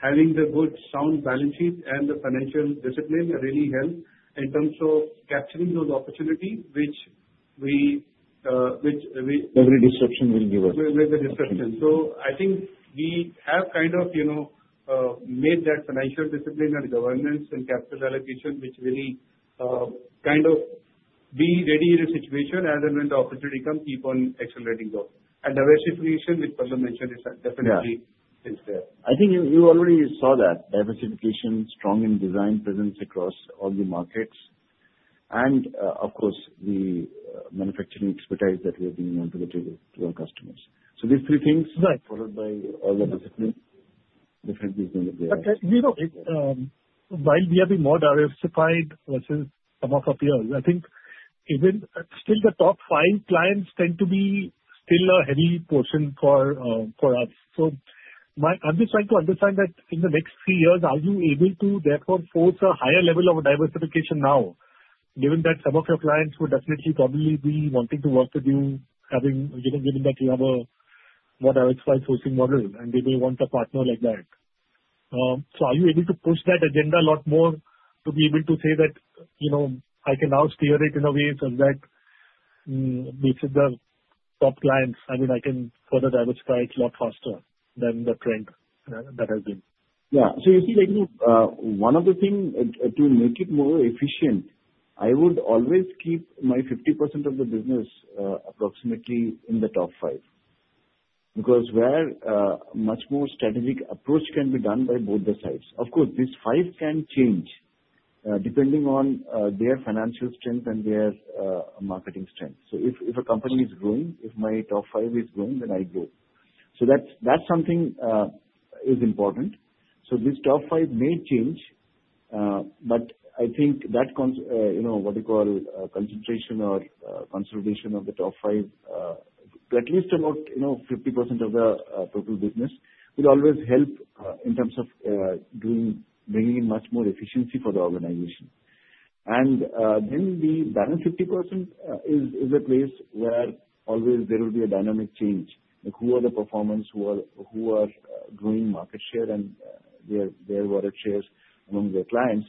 having the good sound balance sheet and the financial discipline really helped in terms of capturing those opportunities which we. Every disruption will give us. With the disruption. I think we have kind of made that financial discipline and governance and capital allocation, which really kind of be ready in a situation as and when the opportunity comes, keep on accelerating growth. Diversification, which Pallab mentioned, is definitely there. I think you already saw that. Diversification, strong in design, presence across all the markets, and of course, the manufacturing expertise that we are bringing onto the table to our customers. These three things followed by all the discipline, the health is going to be there. While we have been more diversified versus some of our peers, I think even still the top five clients tend to be still a heavy portion for us. So I'm just trying to understand that in the next three years, are you able to therefore force a higher level of diversification now, given that some of your clients would definitely probably be wanting to work with you, given that you have a more diversified sourcing model, and they may want a partner like that? So are you able to push that agenda a lot more to be able to say that I can now steer it in a way so that with the top clients, I mean, I can further diversify it a lot faster than the trend that has been? Yeah. So you see, one of the things to make it more efficient, I would always keep my 50% of the business approximately in the top five because where much more strategic approach can be done by both the sides. Of course, these five can change depending on their financial strength and their marketing strength. So if a company is growing, if my top five is growing, then I grow. So that's something that is important. So these top five may change, but I think that what you call concentration or consolidation of the top five, at least about 50% of the total business, will always help in terms of bringing in much more efficiency for the organization. And then the balance 50% is a place where always there will be a dynamic change. Who are the performers? Who are growing market share and their want shares among their clients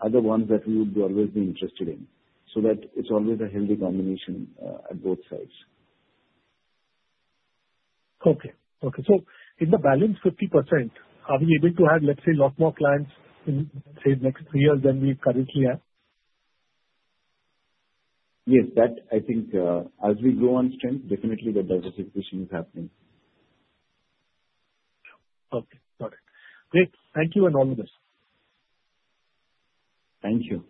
are the ones that we would always be interested in. So that it's always a healthy combination at both sides. Okay. Okay. So in the balance 50%, are we able to have, let's say, a lot more clients in, say, the next three years than we currently have? Yes. I think as we grow on strength, definitely the diversification is happening. Okay. Got it. Great. Thank you. And all the best. Thank you.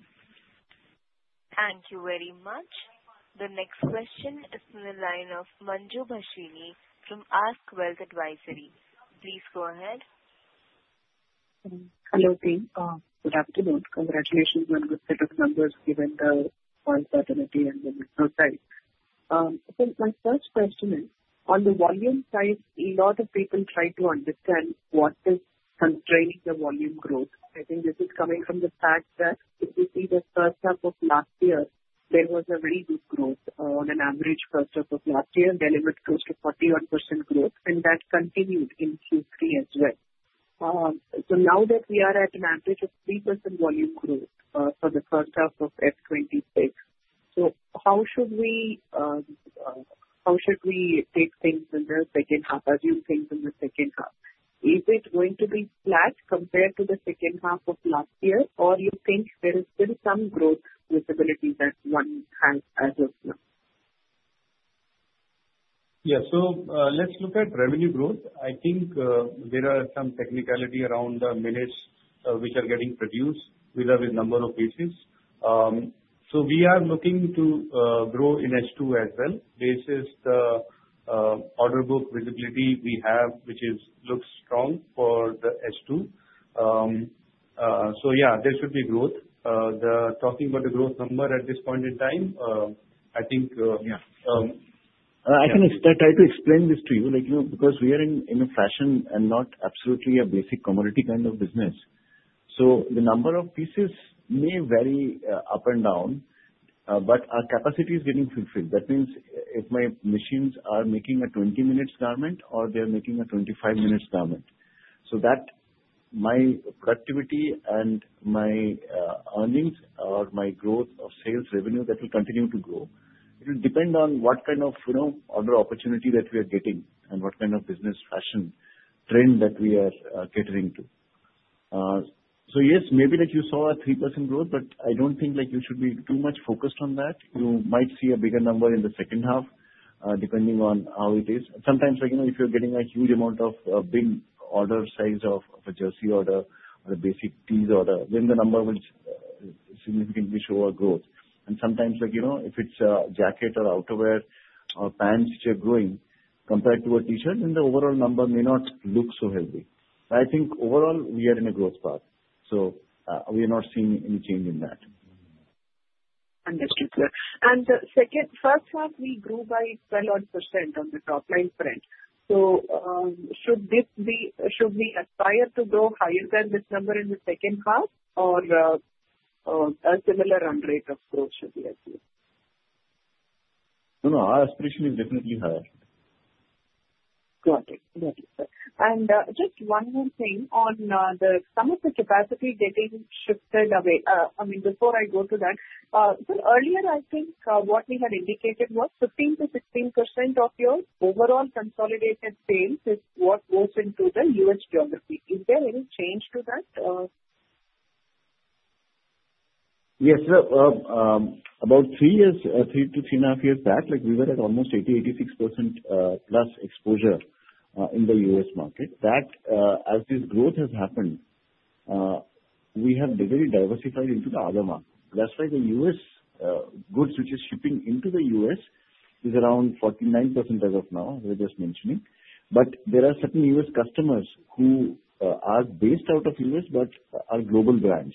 Thank you very much. The next question is from the line of Manjubhashini from ASK Wealth Advisory. Please go ahead. Hello, team. Good afternoon. Congratulations on good set of numbers given the volume front and the business side. So my first question is, on the volume side, a lot of people try to understand what is constraining the volume growth. I think this is coming from the fact that if we see the first half of last year, there was a very good growth on an average first half of last year. Then it was close to 41% growth, and that continued in Q3 as well. So now that we are at an average of 3% volume growth for the first half of FY 2026, so how should we take things in the second half, as you think in the second half? Is it going to be flat compared to the second half of last year, or do you think there is still some growth visibility that one has as of now? Yeah. So let's look at revenue growth. I think there are some technicality around the minutes which are getting produced with a number of pieces. So we are looking to grow in H2 as well. Based on the order book visibility we have, which looks strong for the H2. So yeah, there should be growth. Talking about the growth number at this point in time, I think. Yeah. I can try to explain this to you because we are in a fashion and not absolutely a basic commodity kind of business. So the number of pieces may vary up and down, but our capacity is getting fulfilled. That means if my machines are making a 20-minute garment or they are making a 25-minute garment, so that my productivity and my earnings or my growth of sales revenue, that will continue to grow. It will depend on what kind of order opportunity that we are getting and what kind of business fashion trend that we are catering to. So yes, maybe you saw a 3% growth, but I don't think you should be too much focused on that. You might see a bigger number in the second half depending on how it is. Sometimes if you're getting a huge amount of big order size of a jersey order or a basic tee order, then the number will significantly show a growth. And sometimes if it's a jacket or outerwear or pants which are growing compared to a t-shirt, then the overall number may not look so heavy. But I think overall, we are in a growth path. So we are not seeing any change in that. Understood. And in the first half, we grew by 12% on the top-line print. So should we aspire to go higher than this number in the second half, or a similar run rate of growth should we achieve? No, no. Our aspiration is definitely higher. Got it. Got it. And just one more thing on some of the capacity getting shifted away. I mean, before I go to that, so earlier, I think what we had indicated was 15%-16% of your overall consolidated sales is what goes into the U.S. geography. Is there any change to that? Yes. About three years, three to three and a half years back, we were at almost 80%-86% plus exposure in the U.S. market. As this growth has happened, we have really diversified into the other market. That's why the U.S. goods which are shipping into the U.S. is around 49% as of now, as I was just mentioning. But there are certain U.S. customers who are based out of the U.S. but are global brands.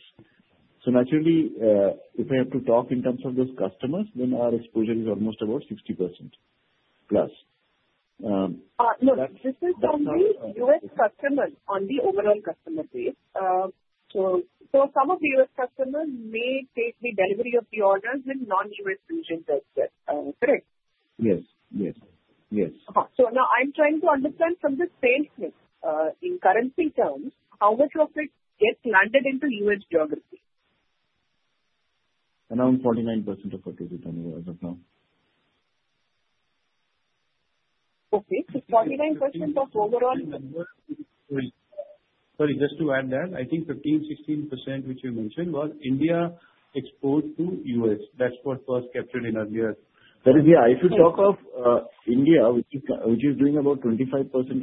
So naturally, if I have to talk in terms of those customers, then our exposure is almost about 60% plus. Look, this is on the U.S. customers, on the overall customer base. So some of the U.S. customers may take the delivery of the orders with non-U.S. regions as well. Is that correct? Yes. Yes. Yes. So now I'm trying to understand from the sales mix in currency terms, how much of it gets landed into U.S. geography? Around 49% of what is revenues to us as of now. Okay. So 49% of overall. Sorry, just to add that, I think 15%-16% which you mentioned was India export to U.S. That's what was captured in earlier. That is, yeah. If you talk of India, which is doing about 25%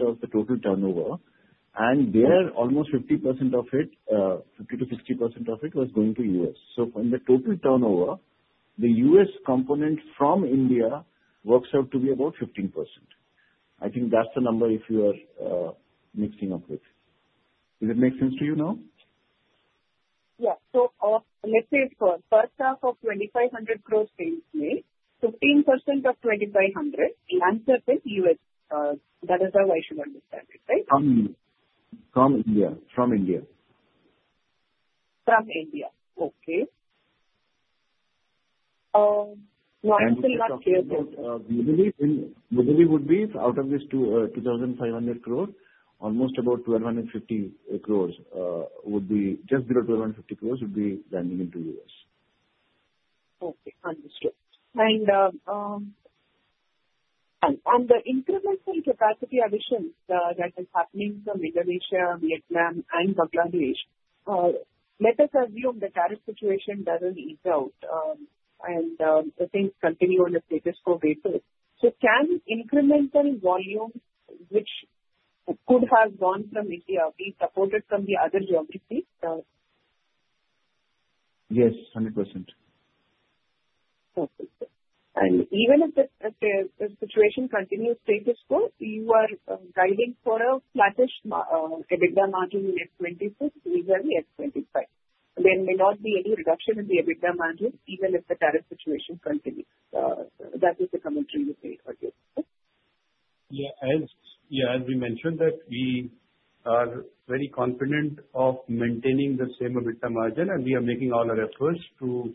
of the total turnover, and there, almost 50% of it, 50%-60% of it was going to U.S. So from the total turnover, the U.S. component from India works out to be about 15%. I think that's the number if you are mixing up with. Does it make sense to you now? Yes, so let's say for the first half of 2500 gross sales, 15% of 2500 lands with U.S. That is how I should understand it, right? From India. From India. From India. Okay. Now, I'm still not clear about this. We believe it would be out of this 2500 crore, almost about 1250 crore would be just below 1250 crore would be landing into U.S. Okay. Understood, and the incremental capacity additions that are happening from Indonesia, Vietnam, and Bangladesh, let us assume the tariff situation doesn't ease out and the things continue on a status quo basis. So can incremental volume, which could have gone from India, be supported from the other geographies? Yes. 100%. Okay, and even if the situation continues status quo, you are guiding for a flat-ish EBITDA margin in FY 2026, usually FY 2025. There may not be any reduction in the EBITDA margin even if the tariff situation continues. That is the commentary you made earlier. Yeah. As we mentioned, we are very confident of maintaining the same EBITDA margin, and we are making all our efforts to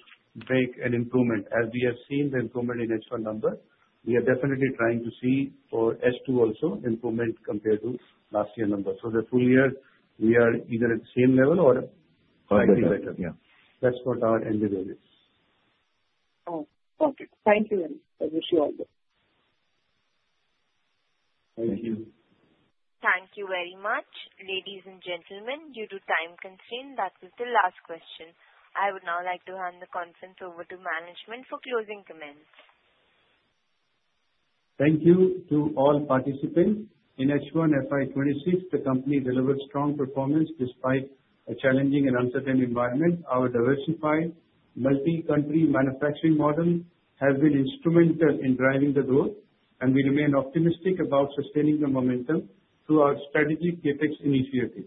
make an improvement. As we have seen the improvement in H1 number, we are definitely trying to see for H2 also improvement compared to last year's number. So the full year, we are either at the same level or slightly better. That's what our endeavor is. Okay. Thank you. And I wish you all the best. Thank you. Thank you very much. Ladies and gentlemen, due to time constraints, that was the last question. I would now like to hand the conference over to management for closing comments. Thank you to all participants. In H1 FY 2026, the company delivered strong performance despite a challenging and uncertain environment. Our diversified multi-country manufacturing model has been instrumental in driving the growth, and we remain optimistic about sustaining the momentum through our strategic CapEx initiative.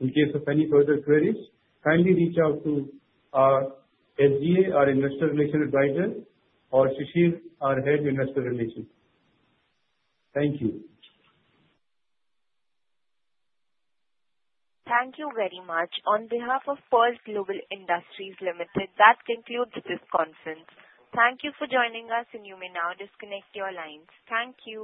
In case of any further queries, kindly reach out to our SGA, our Investor Relations advisor, or Shishir, our Head of Investor Relations. Thank you. Thank you very much. On behalf of Pearl Global Industries Limited, that concludes this conference. Thank you for joining us, and you may now disconnect your lines. Thank you.